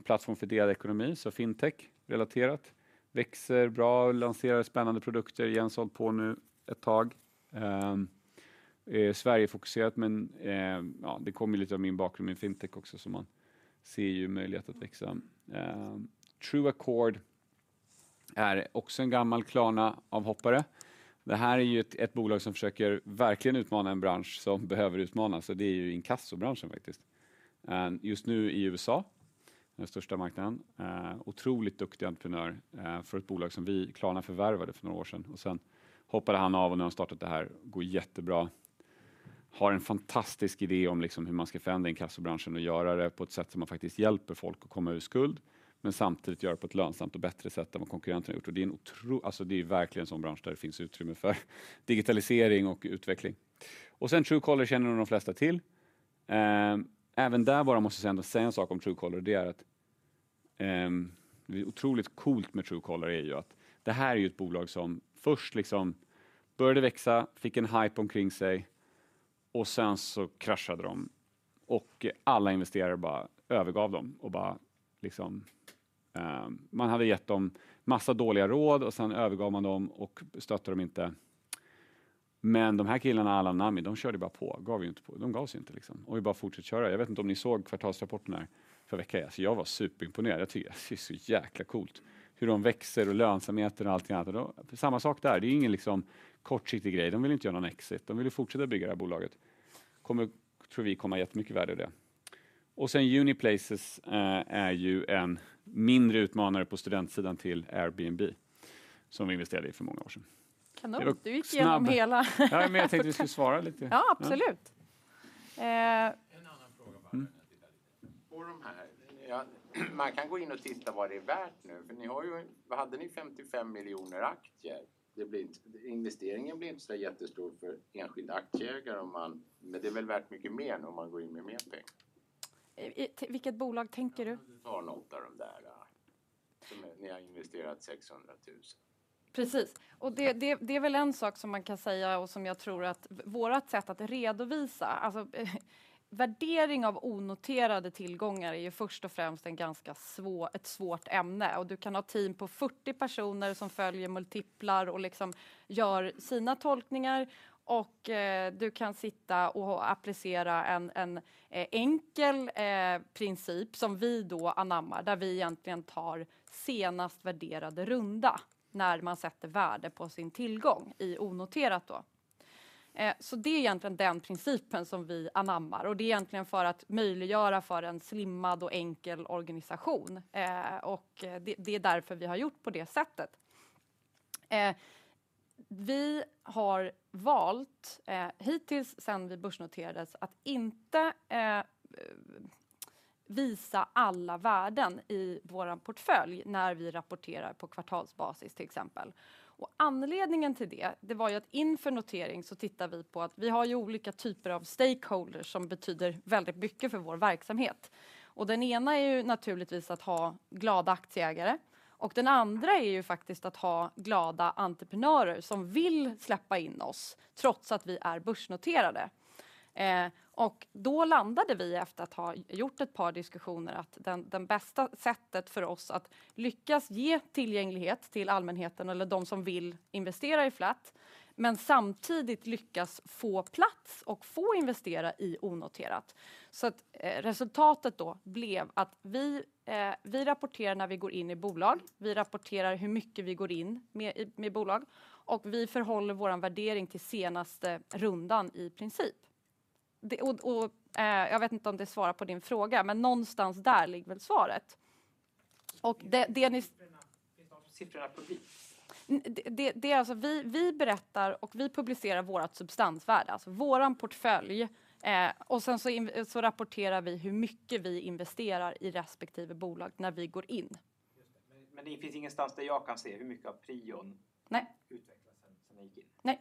plattform för delad ekonomi, så fintech-relaterat. Växer bra, lanserar spännande produkter. Jens har hållit på nu ett tag. Sverige-fokuserat, men ja, det kommer ju lite av min bakgrund med fintech också. Man ser ju möjlighet att växa. TrueAccord är också en gammal Klarna-avhoppare. Det här är ju ett bolag som försöker verkligen utmana en bransch som behöver utmanas. Det är ju inkassobranschen faktiskt. Just nu i USA, den största marknaden. Otroligt duktig entreprenör för ett bolag som vi, Klarna, förvärvade för några år sedan. Sen hoppade han av och nu har han startat det här. Går jättebra. Har en fantastisk idé om liksom hur man ska förändra inkassobranschen och göra det på ett sätt som man faktiskt hjälper folk att komma ur skuld, men samtidigt göra det på ett lönsamt och bättre sätt än vad konkurrenterna har gjort. Det är en otrolig, alltså det är verkligen en sådan bransch där det finns utrymme för digitalisering och utveckling. Sen Truecaller känner nog de flesta till. Även där bara måste jag ändå säga en sak om Truecaller och det är att, det otroligt coolt med Truecaller är ju att det här är ett bolag som först liksom började växa, fick en hajp omkring sig och sen så kraschade de och alla investerare bara övergav dem och bara liksom. Man hade gett dem massa dåliga råd och sen övergav man dem och stöttade dem inte. De här killarna Alan Mamedi, de körde bara på, gav inte upp, de gav sig inte liksom och bara fortsatte köra. Jag vet inte om ni såg kvartalsrapporten där för vecka sen. Jag var superimponerad. Jag tycker det är så jäkla coolt hur de växer och lönsamheten och allting annat. Samma sak där. Det är ingen liksom kortsiktig grej. De vill inte göra någon exit. De vill fortsätta bygga det här bolaget. Kommer tror vi komma jättemycket värde i det. Uniplaces är ju en mindre utmanare på studentsidan till Airbnb som vi investerade i för många år sedan. Kanon, du gick igenom hela. Ja, men jag tänkte vi skulle svara lite. Ja, absolut. En annan fråga bara. På de här, man kan gå in och titta vad det är värt nu. För ni har ju, vad hade ni? 55 miljoner aktier. Det blir, investeringen blir inte så jättestor för enskild aktieägare om man, men det är väl värt mycket mer om man går in med mer pengar. Vilket bolag tänker du? Ta något av de där som ni har investerat 600,000. Precis. Det är väl en sak som man kan säga och som jag tror att vårt sätt att redovisa. Alltså värdering av onoterade tillgångar är ju först och främst en ganska svår ett svårt ämne. Du kan ha team på 40 personer som följer multiplar och liksom gör sina tolkningar. Du kan sitta och applicera en enkel princip som vi då anammar, där vi egentligen tar senast värderade runda när man sätter värde på sin tillgång i onoterat då. Det är egentligen den principen som vi anammar. Det är egentligen för att möjliggöra för en slimmad och enkel organisation. Det är därför vi har gjort på det sättet. Vi har valt hittills sen vi börsnoterades att inte visa alla värden i vår portfölj när vi rapporterar på kvartalsbasis, till exempel. Anledningen till det var ju att inför notering så tittar vi på att vi har ju olika typer av stakeholders som betyder väldigt mycket för vår verksamhet. Den ena är ju naturligtvis att ha glada aktieägare och den andra är ju faktiskt att ha glada entreprenörer som vill släppa in oss trots att vi är börsnoterade. Då landade vi efter att ha gjort ett par diskussioner att den bästa sättet för oss att lyckas ge tillgänglighet till allmänheten eller de som vill investera i Flat, men samtidigt lyckas få plats och få investera i onoterat. Resultatet då blev att vi rapporterar när vi går in i bolag, vi rapporterar hur mycket vi går in med i bolag och vi förhåller vår värdering till senaste rundan i princip. Jag vet inte om det svarar på din fråga, men någonstans där ligger väl svaret. Det ni- Siffror är publika. Alltså vi berättar och vi publicerar vårt substansvärde, alltså våran portfölj. Sen så rapporterar vi hur mycket vi investerar i respektive bolag när vi går in. Det finns ingenstans där jag kan se hur mycket av Prion utvecklas sen när ni gick in. Nej.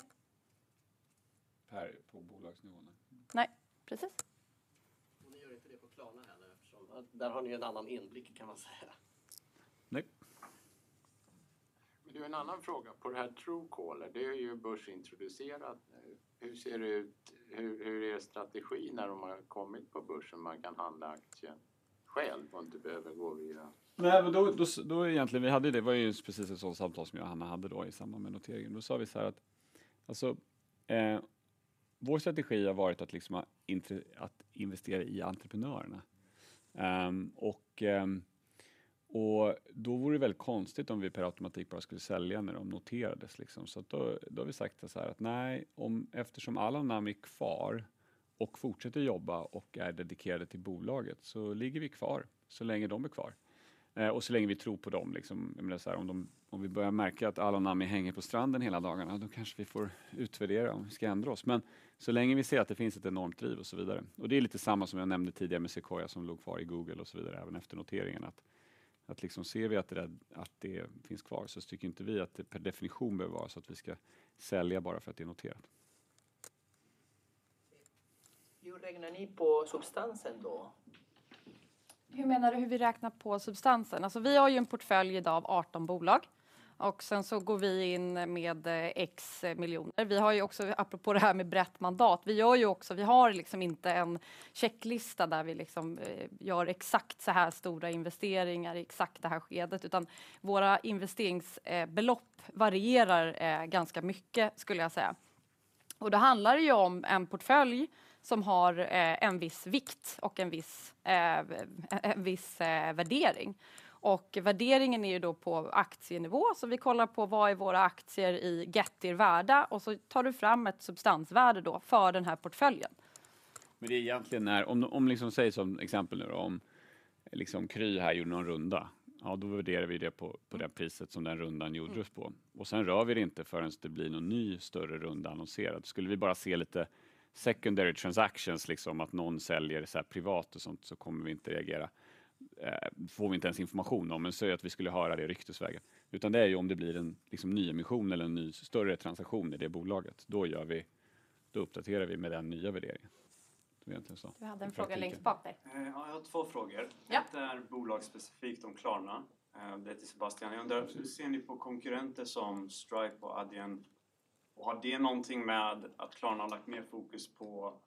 Per på bolagsnivå menar du? Nej, precis. Ni gör inte det på Klarna heller eftersom där har ni en annan inblick kan man säga. Nej. Har du en annan fråga på det här Truecaller. Det är ju börsintroducerat nu. Hur ser det ut? Hur är strategin när de har kommit på börsen? Man kan handla aktien själv och inte behöver gå via... Nej, men då är det egentligen vi hade det. Det var ju precis ett sånt samtal som jag och Hanna hade då i samband med noteringen. Då sa vi såhär att alltså vår strategi har varit att liksom att investera i entreprenörerna. Och då vore det väl konstigt om vi per automatik bara skulle sälja när de noterades liksom. Så då har vi sagt det såhär att nej, om eftersom Alan Mamedi är kvar och fortsätter jobba och är dedikerade till bolaget så ligger vi kvar så länge de är kvar. Och så länge vi tror på dem liksom. Jag menar såhär, om vi börjar märka att Alan Mamedi hänger på stranden hela dagarna, då kanske vi får utvärdera om vi ska ändra oss. Men så länge vi ser att det finns ett enormt driv och så vidare. Det är lite samma som jag nämnde tidigare med Sequoia som låg kvar i Google och så vidare även efter noteringen. Att liksom ser vi att det finns kvar så tycker inte vi att det per definition behöver vara så att vi ska sälja bara för att det är noterat. Hur räknar ni på substansen då? Hur menar du hur vi räknar på substansen? Alltså, vi har ju en portfölj i dag av 18 bolag och sen så går vi in med SEK x miljoner. Vi har ju också, apropå det här med brett mandat, vi gör ju också, vi har liksom inte en checklista där vi liksom gör exakt så här stora investeringar i exakt det här skedet, utan våra investeringsbelopp varierar ganska mycket skulle jag säga. Då handlar det ju om en portfölj som har en viss vikt och en viss värdering. Värderingen är ju då på aktienivå. Vi kollar på vad är våra aktier i Getir värda och så tar du fram ett substansvärde då för den här portföljen. Det är egentligen när, om liksom säg som exempel nu då om liksom Kry här gjorde någon runda. Ja, då värderar vi det på det priset som den rundan gjordes på. Och sen rör vi det inte förrän det blir någon ny större runda annonserad. Skulle vi bara se lite secondary transactions, liksom att någon säljer såhär privat och sånt, så kommer vi inte reagera. Får vi inte ens information om än så att vi skulle höra det ryktesvägen. Utan det är ju om det blir en liksom nyemission eller en ny större transaktion i det bolaget. Då gör vi, då uppdaterar vi med den nya värderingen. Det är egentligen så. Du hade en fråga längst bak där. Ja, jag har 2 frågor. 1 är bolagsspecifikt om Klarna. Det är till Sebastian. Jag undrar hur ser ni på konkurrenter som Stripe och Adyen? Och har det någonting med att Klarna har lagt mer fokus på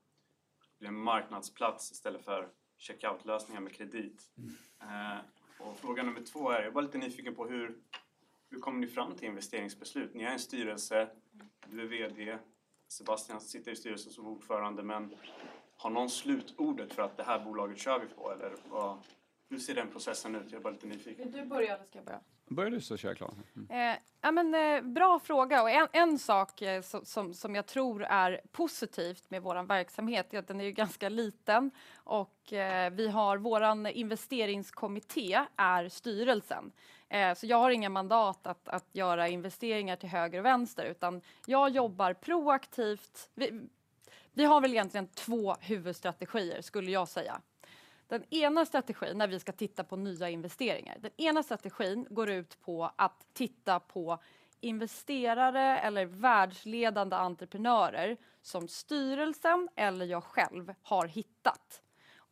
Det är en marknadsplats istället för checkout lösningar med kredit. Fråga nummer två är: jag var lite nyfiken på hur kommer ni fram till investeringsbeslut? Ni har en styrelse, du är VD, Sebastian sitter i styrelsen som ordförande, men har någon slutordet för att det här bolaget kör vi på? Eller vad? Hur ser den processen ut? Jag är bara lite nyfiken. Vill du börja eller ska jag börja? Börja du så kör jag klar. Ja men bra fråga. En sak som jag tror är positivt med vår verksamhet är att den är ganska liten och vi har vår investeringskommitté är styrelsen. Jag har inget mandat att göra investeringar till höger och vänster, utan jag jobbar proaktivt. Vi har väl egentligen två huvudstrategier skulle jag säga. Den ena strategin när vi ska titta på nya investeringar. Den ena strategin går ut på att titta på investerare eller världsledande entreprenörer som styrelsen eller jag själv har hittat.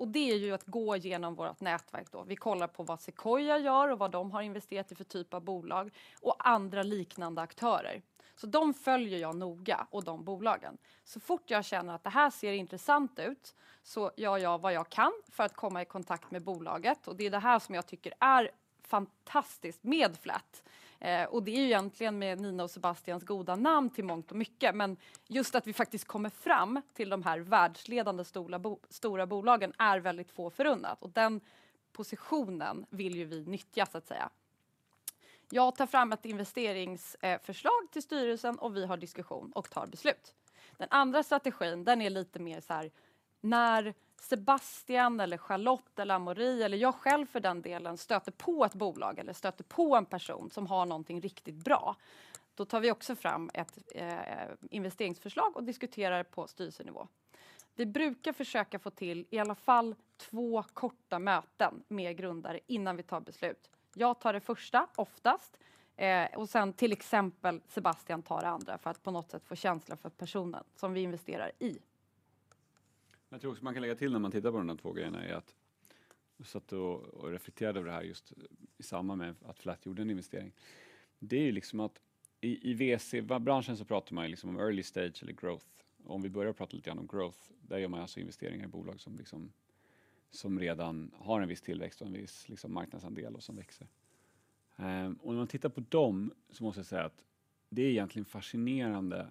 Det är ju att gå igenom vårt nätverk då. Vi kollar på vad Sequoia gör och vad de har investerat i för typ av bolag och andra liknande aktörer. De följer jag noga och de bolagen. Så fort jag känner att det här ser intressant ut så gör jag vad jag kan för att komma i kontakt med bolaget. Det är det här som jag tycker är fantastiskt med Flat. Det är ju egentligen med Nina och Sebastians goda namn till mångt och mycket. Men just att vi faktiskt kommer fram till de här världsledande stora bolagen är väldigt få förunnat. Den positionen vill ju vi nyttja så att säga. Jag tar fram ett investeringsförslag till styrelsen och vi har diskussion och tar beslut. Den andra strategin, den är lite mer såhär när Sebastian eller Charlotte eller Amaury eller jag själv för den delen stöter på ett bolag eller stöter på en person som har någonting riktigt bra, då tar vi också fram ett investeringsförslag och diskuterar på styrelsenivå. Vi brukar försöka få till i alla fall två korta möten med grundare innan vi tar beslut. Jag tar det första oftast och sen till exempel Sebastian tar det andra för att på något sätt få känsla för personen som vi investerar i. Jag tror också man kan lägga till när man tittar på de där två grejerna är att jag satt och reflekterade över det här just i samband med att Flat gjorde en investering. Det är liksom att i VC-branschen så pratar man ju liksom om early stage eller growth. Om vi börjar prata lite grann om growth, där gör man alltså investeringar i bolag som liksom som redan har en viss tillväxt och en viss liksom marknadsandel och som växer. När man tittar på dem så måste jag säga att det är egentligen fascinerande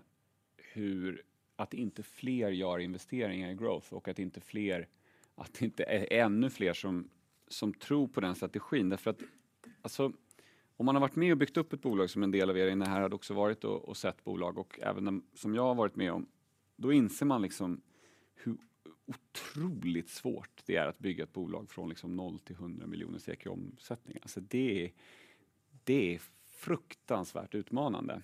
hur att inte fler gör investeringar i growth och att det inte är ännu fler som tror på den strategin. Därför att, alltså om man har varit med och byggt upp ett bolag som en del av er in här har också varit och sett bolag och även som jag har varit med om, då inser man liksom hur otroligt svårt det är att bygga ett bolag från liksom 0 till 100 miljoner SEK i omsättning. Alltså det är fruktansvärt utmanande.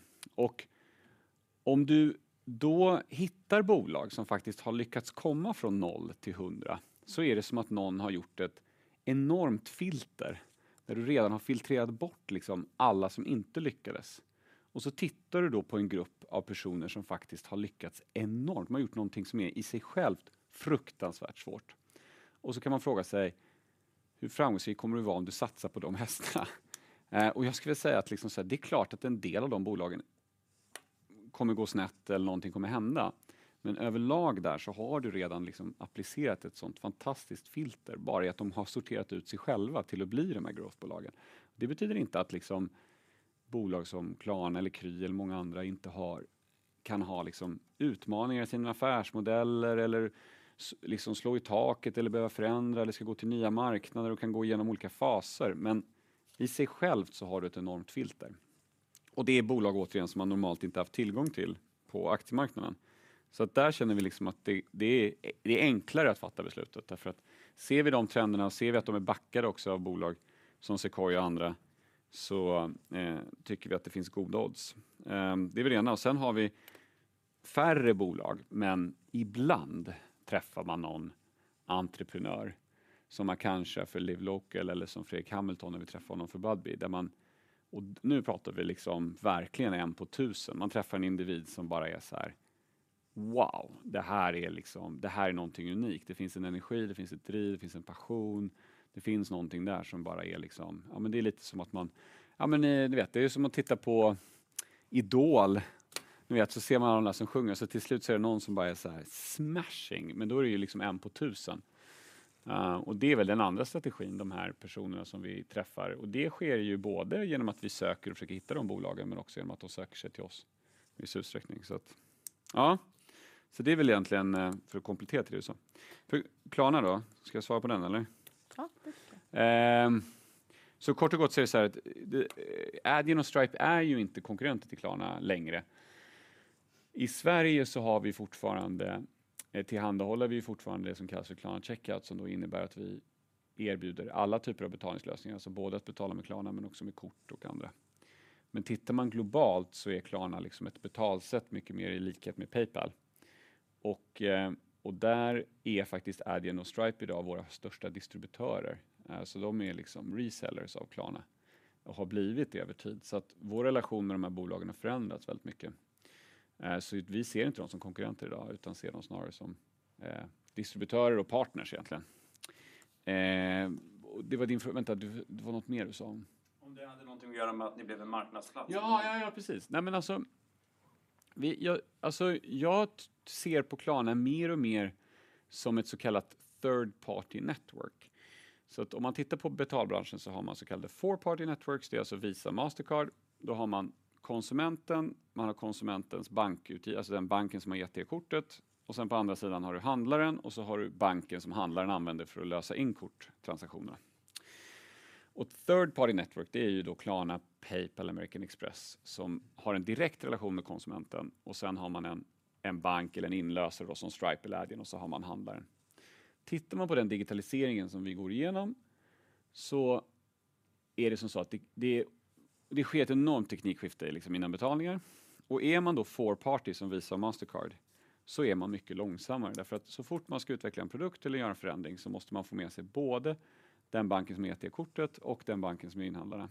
Om du då hittar bolag som faktiskt har lyckats komma från 0 till 100, så är det som att någon har gjort ett enormt filter där du redan har filtrerat bort liksom alla som inte lyckades. Så tittar du då på en grupp av personer som faktiskt har lyckats enormt. De har gjort någonting som är i sig självt fruktansvärt svårt. Så kan man fråga sig, hur framgångsrik kommer du vara om du satsar på de hästarna? Jag skulle säga att liksom det är klart att en del av de bolagen kommer gå snett eller någonting kommer hända. Överlag där så har du redan liksom applicerat ett sådant fantastiskt filter bara i att de har sorterat ut sig själva till att bli de här growthbolagen. Det betyder inte att liksom bolag som Klarna eller Kry eller många andra inte har, kan ha liksom utmaningar i sina affärsmodeller eller liksom slå i taket eller behöva förändra eller ska gå till nya marknader och kan gå igenom olika faser. I sig självt så har du ett enormt filter. Det är bolag återigen som man normalt inte haft tillgång till på aktiemarknaden. Där känner vi liksom att det är enklare att fatta beslutet. Därför att ser vi de trenderna och ser vi att de är backade också av bolag som Sequoia och andra, så tycker vi att det finns goda odds. Det är väl det ena. Har vi färre bolag, men ibland träffar man någon entreprenör som man kanske för LoveLocal eller som Fredrik Hamilton när vi träffade honom för Budbee, där man. Nu pratar vi liksom verkligen en på tusen. Man träffar en individ som bara är såhär, wow, det här är liksom, det här är någonting unikt. Det finns en energi, det finns ett driv, det finns en passion. Det finns någonting där som bara är liksom, ja men det är lite som att man, ja men ni vet, det är ju som att titta på Idol. Ni vet, så ser man alla som sjunger. Till slut så är det någon som bara är såhär smashing, men då är det ju liksom en på tusen. Det är väl den andra strategin, de här personerna som vi träffar. Det sker ju både genom att vi söker och försöker hitta de bolagen, men också genom att de söker sig till oss i viss utsträckning. Att ja, det är väl egentligen för att komplettera till det så. Klarna då? Ska jag svara på den eller? Ja, det kan du göra. Kort och gott så är det såhär att Adyen och Stripe är ju inte konkurrenter till Klarna längre. I Sverige så har vi fortfarande, tillhandahåller vi fortfarande det som kallas för Klarna Checkout, som då innebär att vi erbjuder alla typer av betalningslösningar. Alltså både att betala med Klarna men också med kort och andra. Tittar man globalt så är Klarna liksom ett betalsätt mycket mer i likhet med PayPal. Där är faktiskt Adyen och Stripe i dag våra största distributörer. Alltså de är liksom resellers av Klarna och har blivit det över tid. Att vår relation med de här bolagen har förändrats väldigt mycket. Vi ser inte dem som konkurrenter i dag utan ser dem snarare som distributörer och partners egentligen. Vänta, det var något mer du sa? Något att göra med att ni blev en marknadsplats? Ja, precis. Nej men alltså jag ser på Klarna mer och mer som ett så kallat third-party network. Om man tittar på betalbranschen så har man så kallade four-party networks. Det är alltså Visa, Mastercard. Då har man konsumenten, man har konsumentens bank, alltså den banken som har gett det kortet. Sen på andra sidan har du handlaren och så har du banken som handlaren använder för att lösa in korttransaktionerna. Third-party network, det är ju då Klarna, PayPal, American Express som har en direkt relation med konsumenten. Sen har man en bank eller en inlösare då som Stripe eller Adyen och så har man handlaren. Tittar man på den digitaliseringen som vi går igenom så är det som så att det sker ett enormt teknikskifte liksom inom betalningar. Är man då four-party som Visa och Mastercard så är man mycket långsammare. Därför att så fort man ska utveckla en produkt eller göra en förändring så måste man få med sig både den banken som gett dig kortet och den banken som är innehandlaren.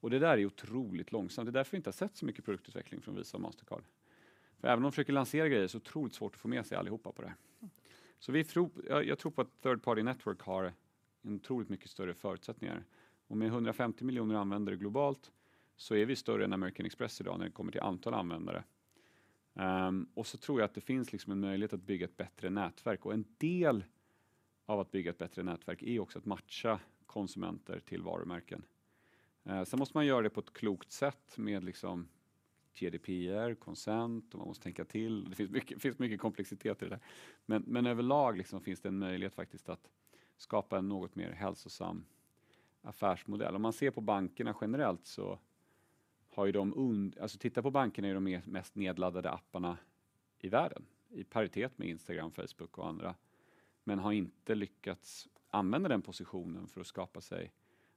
Det där är otroligt långsamt. Det är därför vi inte har sett så mycket produktutveckling från Visa och Mastercard. För även om de försöker lansera grejer är det otroligt svårt att få med sig allihopa på det. Vi tro, jag tror på att third-party network har otroligt mycket större förutsättningar. Med 150 miljoner användare globalt så är vi större än American Express idag när det kommer till antal användare. Så tror jag att det finns liksom en möjlighet att bygga ett bättre nätverk. En del av att bygga ett bättre nätverk är också att matcha konsumenter till varumärken. Sen måste man göra det på ett klokt sätt med liksom GDPR, consent och man måste tänka till. Det finns mycket komplexitet i det där. Överlag liksom finns det en möjlighet faktiskt att skapa en något mer hälsosam affärsmodell. Om man ser på bankerna generellt så har ju de alltså tittar på bankerna är de mest nedladdade apparna i världen i paritet med Instagram, Facebook och andra, men har inte lyckats använda den positionen för att skapa sig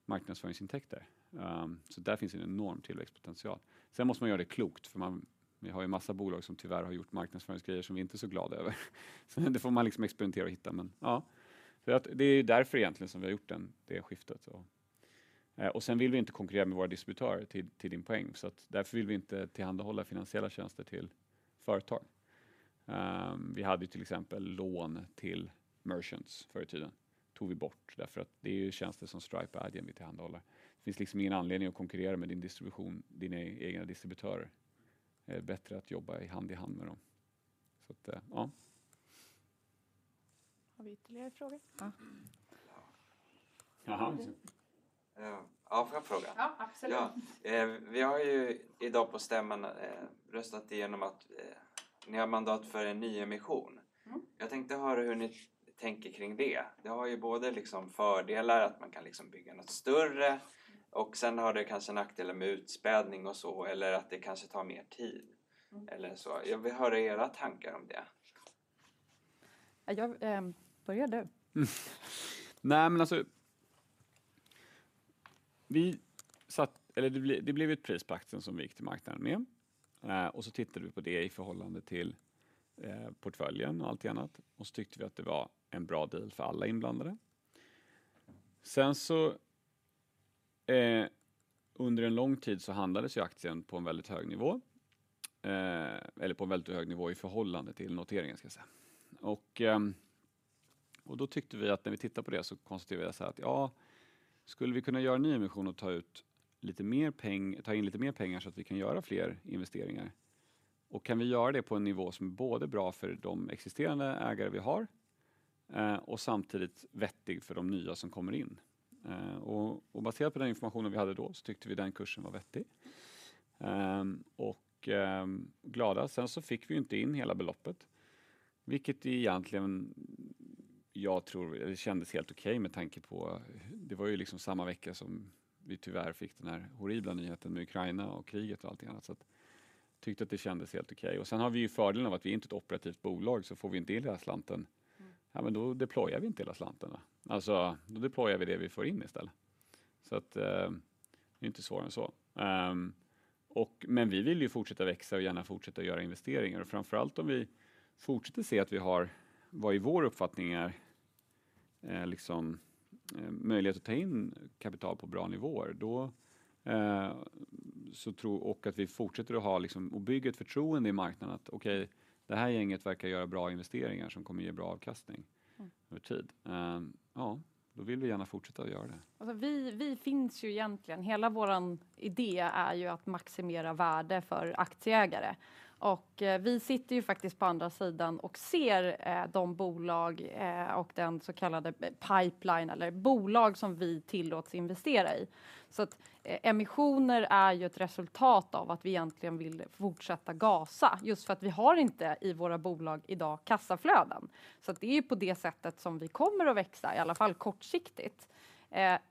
marknadsföringsintäkter. Så där finns en enorm tillväxtpotential. Sen måste man göra det klokt för man, vi har ju massa bolag som tyvärr har gjort marknadsföringsgrejer som vi inte är så glada över. Så det får man liksom experimentera och hitta men ja. För att det är därför egentligen som vi har gjort det skiftet så. Sen vill vi inte konkurrera med våra distributörer till din poäng. Därför vill vi inte tillhandahålla finansiella tjänster till företag. Vi hade ju till exempel lån till merchants förr i tiden. Tog vi bort därför att det är ju tjänster som Stripe och Adyen tillhandahåller. Det finns liksom ingen anledning att konkurrera med din distribution, dina egna distributörer. Det är bättre att jobba hand i hand med dem. Ja. Har vi ytterligare frågor? Jaha. Ja, får jag fråga? Ja, absolut. Ja, vi har ju i dag på stämman röstat igenom att ni har mandat för en nyemission. Jag tänkte höra hur ni tänker kring det. Det har ju både liksom fördelar att man kan liksom bygga något större och sen har det kanske nackdelar med utspädning och så. Eller att det kanske tar mer tid eller så. Jag vill höra era tankar om det. Ja, börja du. Nej men alltså, det blev ett pris på aktien som vi gick till marknaden med. Tittade vi på det i förhållande till portföljen och allt det annat. Tyckte vi att det var en bra deal för alla inblandade. Under en lång tid så handlades ju aktien på en väldigt hög nivå. Eller på en väldigt hög nivå i förhållande till noteringen ska jag säga. Då tyckte vi att när vi tittar på det så konstaterar vi så här att ja, skulle vi kunna göra en nyemission och ta in lite mer pengar så att vi kan göra fler investeringar? Kan vi göra det på en nivå som är både bra för de existerande ägare vi har och samtidigt vettig för de nya som kommer in? Baserat på den informationen vi hade då så tyckte vi den kursen var vettig. Glada. Fick vi inte in hela beloppet, vilket egentligen jag tror kändes helt okej med tanke på det var ju liksom samma vecka som vi tyvärr fick den här horribla nyheten med Ukraina och kriget och allt det annat. Tyckte att det kändes helt okej. Har vi ju fördelen av att vi är inte ett operativt bolag, så får vi inte in hela slanten. Ja men då deployar vi inte hela slanten då. Alltså, då deployar vi det vi får in istället. Det är ju inte svårare än så. Vi vill ju fortsätta växa och gärna fortsätta göra investeringar. Främför allt om vi fortsätter se att vi har vad i vår uppfattning är liksom möjlighet att ta in kapital på bra nivåer. Då så och att vi fortsätter att ha liksom och bygger ett förtroende i marknaden att okej, det här gänget verkar göra bra investeringar som kommer ge bra avkastning över tid. Ja, då vill vi gärna fortsätta att göra det. Alltså vi finns ju egentligen hela vår idé är ju att maximera värde för aktieägare. Vi sitter ju faktiskt på andra sidan och ser de bolag och den så kallade pipeline eller bolag som vi tillåts investera i. Emissioner är ju ett resultat av att vi egentligen vill fortsätta gasa just för att vi har inte i våra bolag i dag kassaflöden. Det är ju på det sättet som vi kommer att växa, i alla fall kortsiktigt.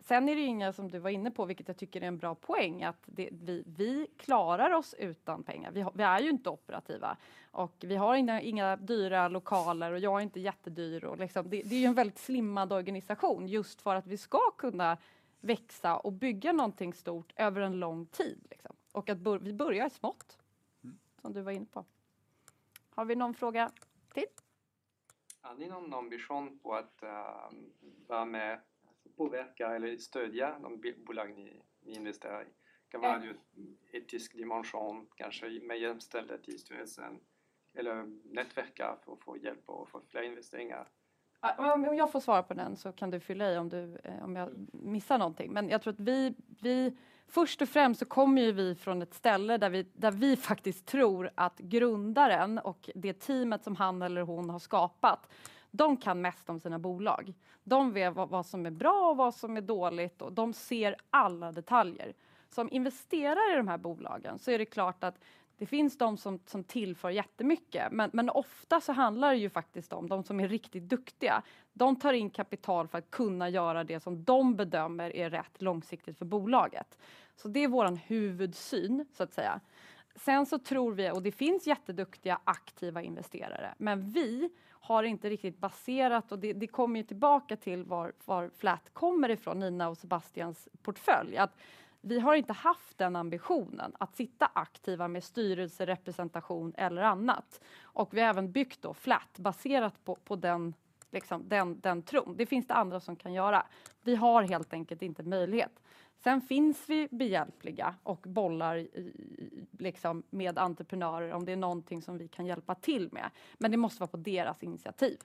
Sen är det ju ingen, som du var inne på, vilken jag tycker är en bra poäng, att det vi klarar oss utan pengar. Vi är ju inte operativa och vi har inga dyra lokaler och jag är inte jättedyr. Liksom det är ju en väldigt slimmad organisation just för att vi ska kunna växa och bygga någonting stort över en lång tid liksom. Vi börjar smått. Mm som du var inne på. Har vi någon fråga till? Har ni någon ambition på att vara med och påverka eller stödja de bolag ni investerar i? Det kan vara etisk dimension, kanske med jämställdhet i styrelsen? Nätverka för att få hjälp och för att få investeringar. Om jag får svara på den så kan du fylla i om du, om jag missar någonting. Jag tror att vi först och främst så kommer ju vi från ett ställe där vi faktiskt tror att grundaren och det teamet som han eller hon har skapat, de kan mest om sina bolag. De vet vad som är bra och vad som är dåligt och de ser alla detaljer. Som investerare i de här bolagen så är det klart att det finns de som tillför jättemycket, men oftast så handlar det ju faktiskt om de som är riktigt duktiga. De tar in kapital för att kunna göra det som de bedömer är rätt långsiktigt för bolaget. Det är vår huvudsyn, så att säga. Tror vi, och det finns jätteduktiga aktiva investerare, men vi har inte riktigt baserat på det. Det kommer ju tillbaka till var Flat kommer ifrån, Nina och Sebastians portfölj. Vi har inte haft den ambitionen att sitta aktiva med styrelserepresentation eller annat. Vi har även byggt Flat baserat på den tron. Det finns andra som kan göra. Vi har helt enkelt inte möjlighet. Vi är behjälpliga och bollar liksom med entreprenörer om det är någonting som vi kan hjälpa till med. Men det måste vara på deras initiativ.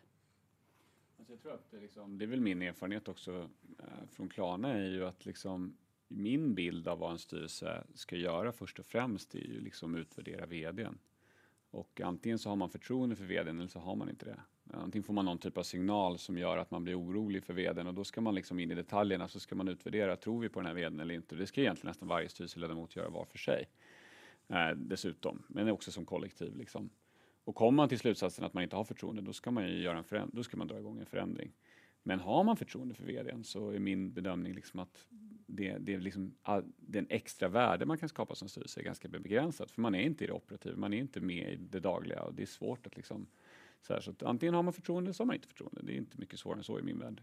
Alltså jag tror att det liksom, det är väl min erfarenhet också från Klarna är ju att liksom min bild av vad en styrelse ska göra först och främst är ju liksom utvärdera vd:n. Antingen så har man förtroende för vd:n eller så har man inte det. Antingen får man någon typ av signal som gör att man blir orolig för vd:n och då ska man liksom in i detaljerna. Man ska utvärdera, tror vi på den här vd:n eller inte? Det ska egentligen nästan varje styrelseledamot göra var för sig. Dessutom, men också som kollektiv liksom. Kommer man till slutsatsen att man inte har förtroende, då ska man ju dra i gång en förändring. Har man förtroende för VD:n så är min bedömning liksom att det liksom, det extra värde man kan skapa som styrelse är ganska begränsat. För man är inte i det operativa, man är inte med i det dagliga. Det är svårt att liksom såhär. Så antingen har man förtroende eller så har man inte förtroende. Det är inte mycket svårare än så i min värld.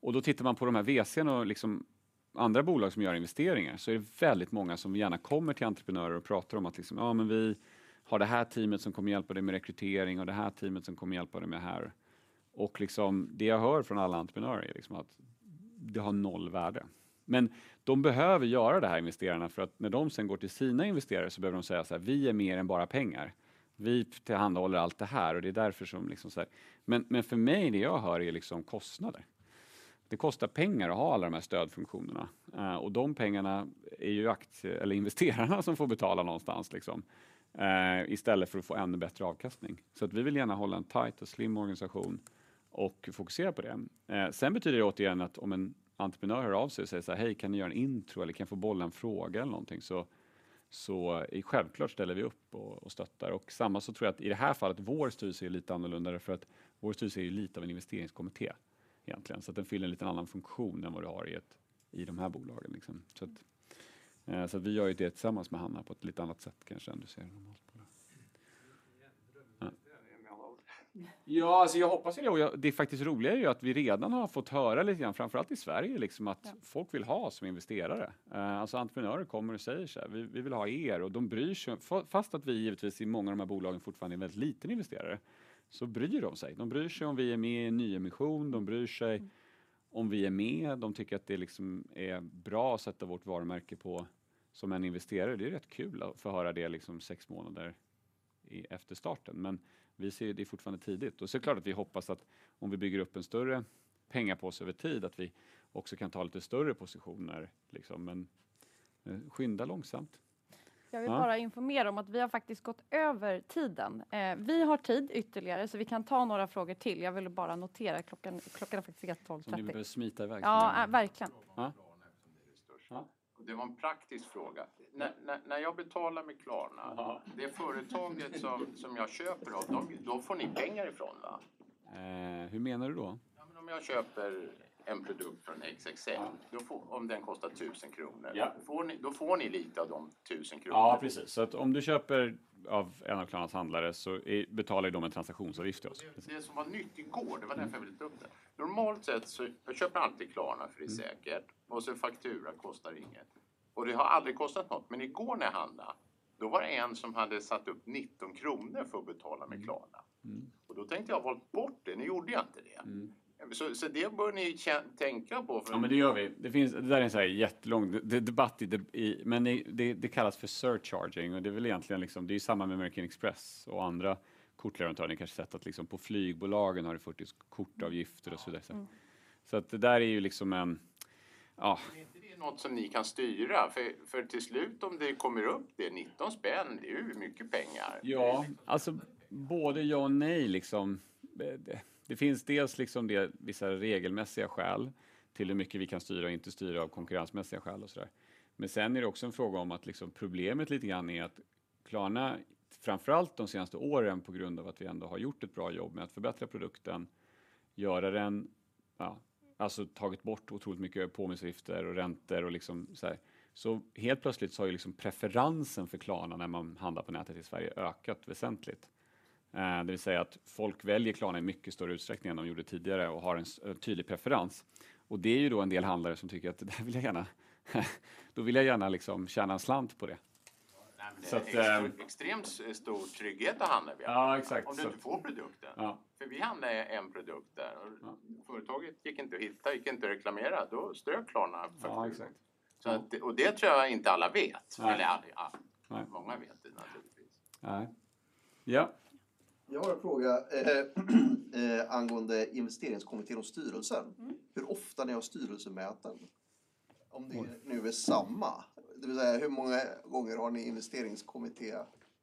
Och då tittar man på de här VC:n och liksom andra bolag som gör investeringar så är det väldigt många som gärna kommer till entreprenörer och pratar om att liksom ja, men vi har det här teamet som kommer hjälpa dig med rekrytering och det här teamet som kommer hjälpa dig med HR. Det jag hör från alla entreprenörer är liksom att det har noll värde. De behöver göra det här investerarna för att när de sen går till sina investerare så behöver de säga såhär: "Vi är mer än bara pengar. Vi tillhandahåller allt det här och det är därför som liksom såhär." Men för mig, det jag hör är liksom kostnader. Det kostar pengar att ha alla de här stödfunktionerna och de pengarna är ju aktie- eller investerarna som får betala någonstans liksom. Istället för att få ännu bättre avkastning. Vi vill gärna hålla en tight och slim organisation och fokusera på det. Det betyder återigen att om en entreprenör hör av sig och säger såhär: "Hej, kan ni göra en intro eller kan jag få bolla en fråga eller någonting?" Så självklart ställer vi upp och stöttar. Samma, så tror jag att i det här fallet, vår styrelse är lite annorlunda därför att vår styrelse är lite av en investeringskommitté egentligen. Så att den fyller en lite annan funktion än vad du har i ett, i de här bolagen liksom. Så att vi gör ju det tillsammans med Hanna på ett lite annat sätt kanske än du ser normalt på det. Ja, alltså jag hoppas ju det och det är faktiskt roligt är ju att vi redan har fått höra lite grann, framför allt i Sverige liksom, att folk vill ha oss som investerare. Alltså entreprenörer kommer och säger såhär: "Vi vill ha er." De bryr sig. Fast att vi givetvis i många av de här bolagen fortfarande är en väldigt liten investerare, så bryr de sig. De bryr sig om vi är med i en nyemission, de bryr sig om vi är med. De tycker att det liksom är bra att sätta vårt varumärke på som en investerare. Det är rätt kul att få höra det liksom sex månader efter starten. Vi ser det fortfarande tidigt. Så klart att vi hoppas att om vi bygger upp en större pengapåse över tid, att vi också kan ta lite större positioner liksom. Skynda långsamt. Jag vill bara informera om att vi har faktiskt gått över tiden. Vi har tid ytterligare så vi kan ta några frågor till. Jag ville bara notera klockan är faktiskt redan 12:30 P.M. Om vi börjar smita i väg. Ja, verkligen. Det var en praktisk fråga. När jag betalar med Klarna, det företaget som jag köper av då får ni pengar ifrån va? Hur menar du då? Ja men om jag köper en produkt från x. Om den kostar 1000 kronor. Då får ni lite av de 1000 kronor. Ja, precis. Så om du köper av en av Klarnas handlare så betalar de en transaktionsavgift till oss. Det som var nytt igår, det var därför jag ville ta upp det. Normalt sett så jag köper alltid Klarna för det är säkert och så faktura kostar inget. Det har aldrig kostat något. Igår när jag handlade, då var det en som hade satt upp 19 kronor för att betala med Klarna. Då tänkte jag, valde bort det. Nu gjorde jag inte det. Det bör ni tänka på. Ja, men det gör vi. Det finns, det där är en sån här jättelång debatt. Det kallas för surcharging och det är väl egentligen liksom, det är samma med American Express och andra kortläsare. Ni kanske sett att liksom på flygbolagen har du fått kortavgifter och så vidare. Det där är ju liksom en, ja. Är inte det något som ni kan styra? För till slut om det kommer upp det, 19, det är ju mycket pengar. Ja, alltså både ja och nej liksom. Det finns dels liksom det vissa regelmässiga skäl till hur mycket vi kan styra och inte styra av konkurrensmässiga skäl och sådär. Sen är det också en fråga om att problemet lite grann är att Klarna, framför allt de senaste åren, på grund av att vi ändå har gjort ett bra jobb med att förbättra produkten, göra den, ja alltså tagit bort otroligt mycket påminnelsegifter och räntor och liksom såhär. Helt plötsligt så har ju preferensen för Klarna när man handlar på nätet i Sverige ökat väsentligt. Det vill säga att folk väljer Klarna i mycket större utsträckning än de gjorde tidigare och har en tydlig preferens. Det är ju då en del handlare som tycker att det vill jag gärna, då vill jag gärna tjäna en slant på det. Nej men det är ju en extremt stor trygghet att handla via. Ja, exakt. Om du inte får produkten. För vi handlade en produkt där och företaget gick inte att hitta, gick inte att reklamera. Då strök Klarna. Ja, exakt. Så att, och det tror jag inte alla vet. Eller alla, ja många vet det. Jag har en fråga angående investeringskommitté och styrelsen. Hur ofta ni har styrelsemöten? Om det nu är samma. Det vill säga hur många gånger har ni investeringskommitté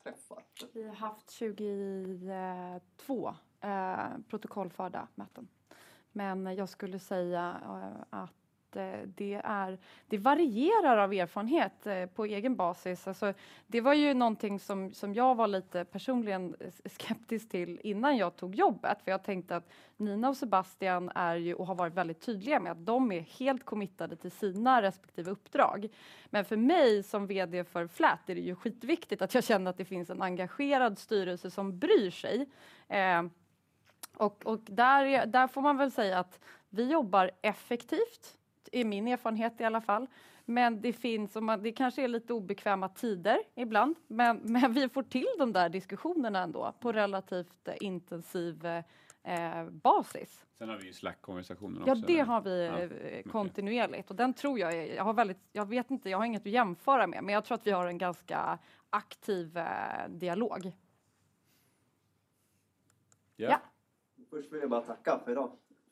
träffat? Vi har haft 22 protokollförda möten. Jag skulle säga att det är, det varierar av erfarenhet på egen basis. Alltså det var ju någonting som jag var lite personligen skeptisk till innan jag tog jobbet. För jag tänkte att Nina och Sebastian är ju och har varit väldigt tydliga med att de är helt committade till sina respektive uppdrag. För mig som VD för Flat är det ju skitviktigt att jag känner att det finns en engagerad styrelse som bryr sig. Där får man väl säga att vi jobbar effektivt. Det är min erfarenhet i alla fall. Det finns, om man, det kanske är lite obekväma tider ibland, men vi får till de där diskussionerna ändå på relativt intensiv basis. Har vi ju Slack-konversationerna. Ja, det har vi kontinuerligt och den tror jag har väldigt, jag vet inte, jag har inget att jämföra med, men jag tror att vi har en ganska aktiv dialog. Först vill jag bara tacka för i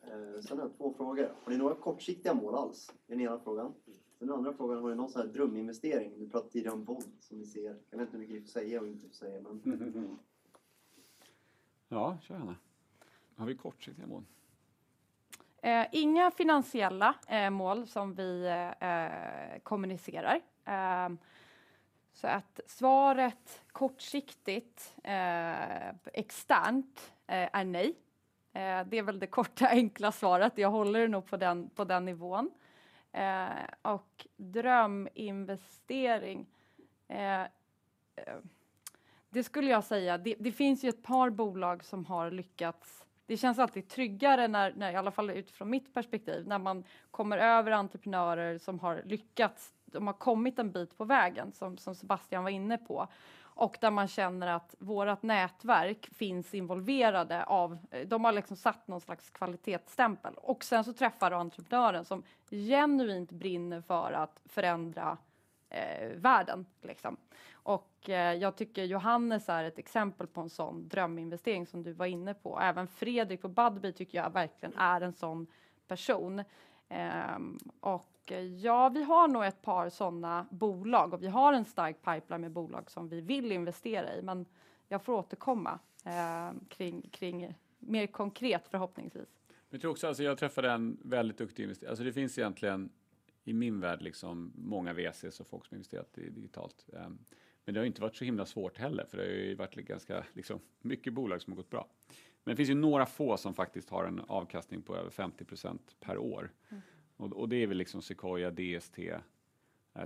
dag. Har jag två frågor. Har ni några kortsiktiga mål alls? Det är den ena frågan. Den andra frågan. Har du någon sån här dröminvestering? Du pratade tidigare om bond som ni ser. Jag vet inte hur mycket du får säga och inte får säga, men. Ja, kör gärna. Har vi kortsiktiga mål? Inga finansiella mål som vi kommunicerar. Så att svaret kortsiktigt externt är nej. Det är väl det korta, enkla svaret. Jag håller det nog på den nivån. Dröminvestering det skulle jag säga, det finns ju ett par bolag som har lyckats. Det känns alltid tryggare när i alla fall utifrån mitt perspektiv, när man kommer över entreprenörer som har lyckats, de har kommit en bit på vägen som Sebastian var inne på och där man känner att vårt nätverk finns involverade av, de har liksom satt någon slags kvalitetsstämpel. Sen så träffar du entreprenören som genuint brinner för att förändra världen liksom. Jag tycker Johannes är ett exempel på en sådan dröminvestering som du var inne på. Även Fredrik på Budbee tycker jag verkligen är en sådan person. Ja, vi har nog ett par sådana bolag och vi har en stark pipeline med bolag som vi vill investera i, men jag får återkomma kring mer konkret förhoppningsvis. Jag tror också alltså jag träffade en väldigt duktig investerare. Alltså det finns egentligen i min värld liksom många VC:s och folk som investerat i digitalt. Det har inte varit så himla svårt heller för det har ju varit ganska liksom mycket bolag som har gått bra. Det finns ju några få som faktiskt har en avkastning på över 50% per år. Det är väl liksom Sequoia, DST,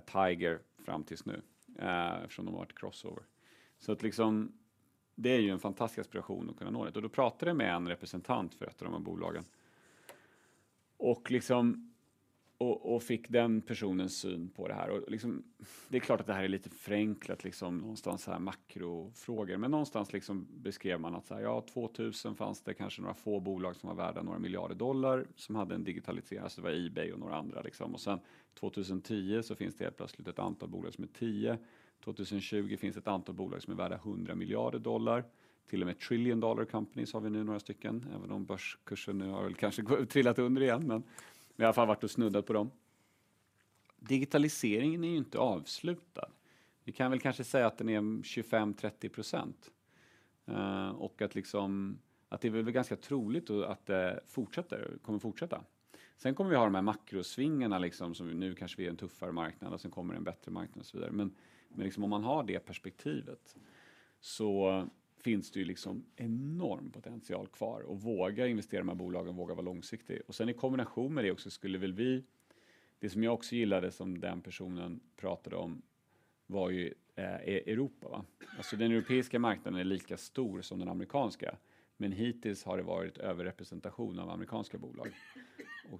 Tiger fram tills nu från de varit crossover. Det är ju en fantastisk aspiration att kunna nå det. Då pratade jag med en representant för ett av de här bolagen. Liksom fick den personens syn på det här. Liksom det är klart att det här är lite förenklat, liksom någonstans så här makrofrågor, men någonstans liksom beskrev man att så här ja 2000 fanns det kanske några få bolag som var värda några $ billion som hade en digitalisering. Alltså det var eBay och några andra liksom. 2010 så finns det helt plötsligt ett antal bolag som är 10. 2020 finns det ett antal bolag som är värda $100 billion. Till och med $1 trillion-dollar companies har vi nu några stycken, även om börskursen nu har väl kanske trillat under igen. Vi har i alla fall varit och snuddat på dem. Digitaliseringen är ju inte avslutad. Vi kan väl kanske säga att den är 25, 30%. Att liksom det är väl ganska troligt att det fortsätter, kommer fortsätta. Kommer vi att ha de här makrosvingarna liksom som nu kanske är en tuffare marknad, sen kommer en bättre marknad och så vidare. Liksom om man har det perspektivet så finns det ju liksom enorm potential kvar. Våga investera i de här bolagen, våga vara långsiktig. Sen i kombination med det också skulle väl vi, det som jag också gillade som den personen pratade om var ju, är Europa va. Den europeiska marknaden är lika stor som den amerikanska, men hittills har det varit överrepresentation av amerikanska bolag.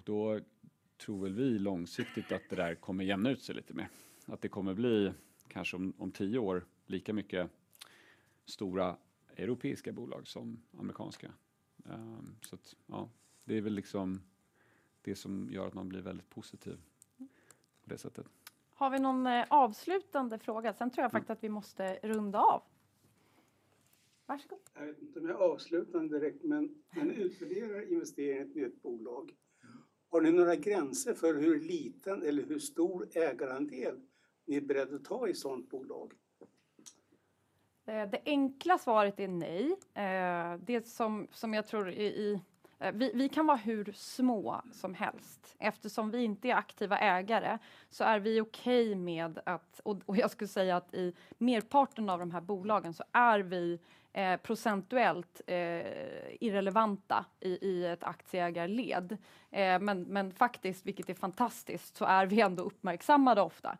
Då tror väl vi långsiktigt att det där kommer jämna ut sig lite mer. Att det kommer bli kanske om 10 år lika mycket stora europeiska bolag som amerikanska. Att ja, det är väl liksom det som gör att man blir väldigt positiv på det sättet. Har vi någon avslutande fråga? Sen tror jag faktiskt att vi måste runda av. Varsågod. Jag vet inte om jag är avslutande direkt, men när ni utvärderar investeringen i ett bolag. Har ni några gränser för hur liten eller hur stor ägarandel ni är beredda att ta i ett sådant bolag? Det enkla svaret är nej. Det som jag tror att vi kan vara hur små som helst. Eftersom vi inte är aktiva ägare så är vi okej med att, och jag skulle säga att i merparten av de här bolagen så är vi procentuellt irrelevanta i ett aktieägarled. Faktiskt, vilket är fantastiskt, så är vi ändå uppmärksammade ofta.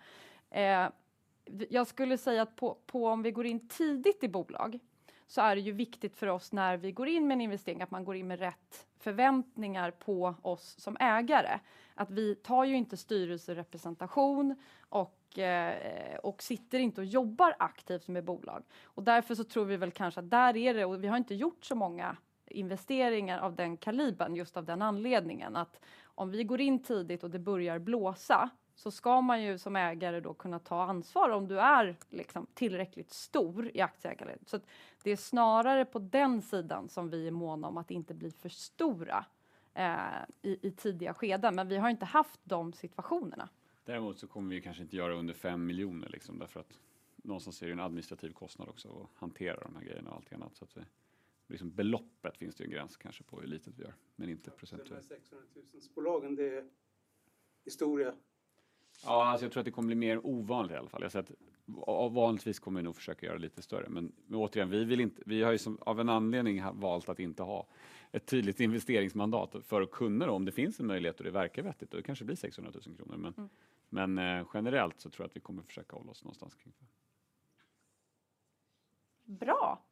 Jag skulle säga att om vi går in tidigt i bolag så är det ju viktigt för oss när vi går in med en investering att man går in med rätt förväntningar på oss som ägare. Vi tar ju inte styrelserepresentation och sitter inte och jobbar aktivt med bolag. Därför så tror vi väl kanske att där är det, och vi har inte gjort så många investeringar av den kalibern just av den anledningen. Att om vi går in tidigt och det börjar blåsa så ska man ju som ägare då kunna ta ansvar om du är liksom tillräckligt stor i aktieägarled. Så att det är snarare på den sidan som vi är måna om att inte bli för stora i tidiga skeden. Men vi har inte haft de situationerna. Däremot så kommer vi kanske inte göra under 5 miljoner liksom. Därför att någonstans är det en administrativ kostnad också att hantera de här grejerna och allting annat. Så att vi, liksom beloppet finns det en gräns kanske på hur litet vi gör, men inte procentuellt. 600,000-bolagen, det är historia? Ja, alltså jag tror att det kommer bli mer ovanligt i alla fall. Jag ser att vanligtvis kommer vi nog försöka göra lite större. Men återigen, vi vill inte, vi har ju som av en anledning valt att inte ha ett tydligt investeringsmandat för att kunna då, om det finns en möjlighet och det verkar vettigt. Det kanske blir 600,000 kronor. Men generellt så tror jag att vi kommer försöka hålla oss någonstans kring. Bra.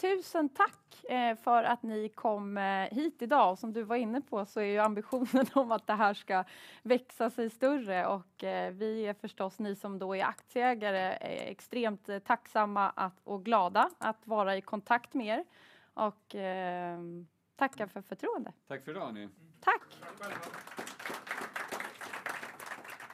Tusen tack för att ni kom hit idag. Som du var inne på så är ju ambitionen om att det här ska växa sig större och vi är förstås, ni som då är aktieägare, extremt tacksamma och glada att vara i kontakt med er. Tack för förtroendet. Tack för idag ni. Tack!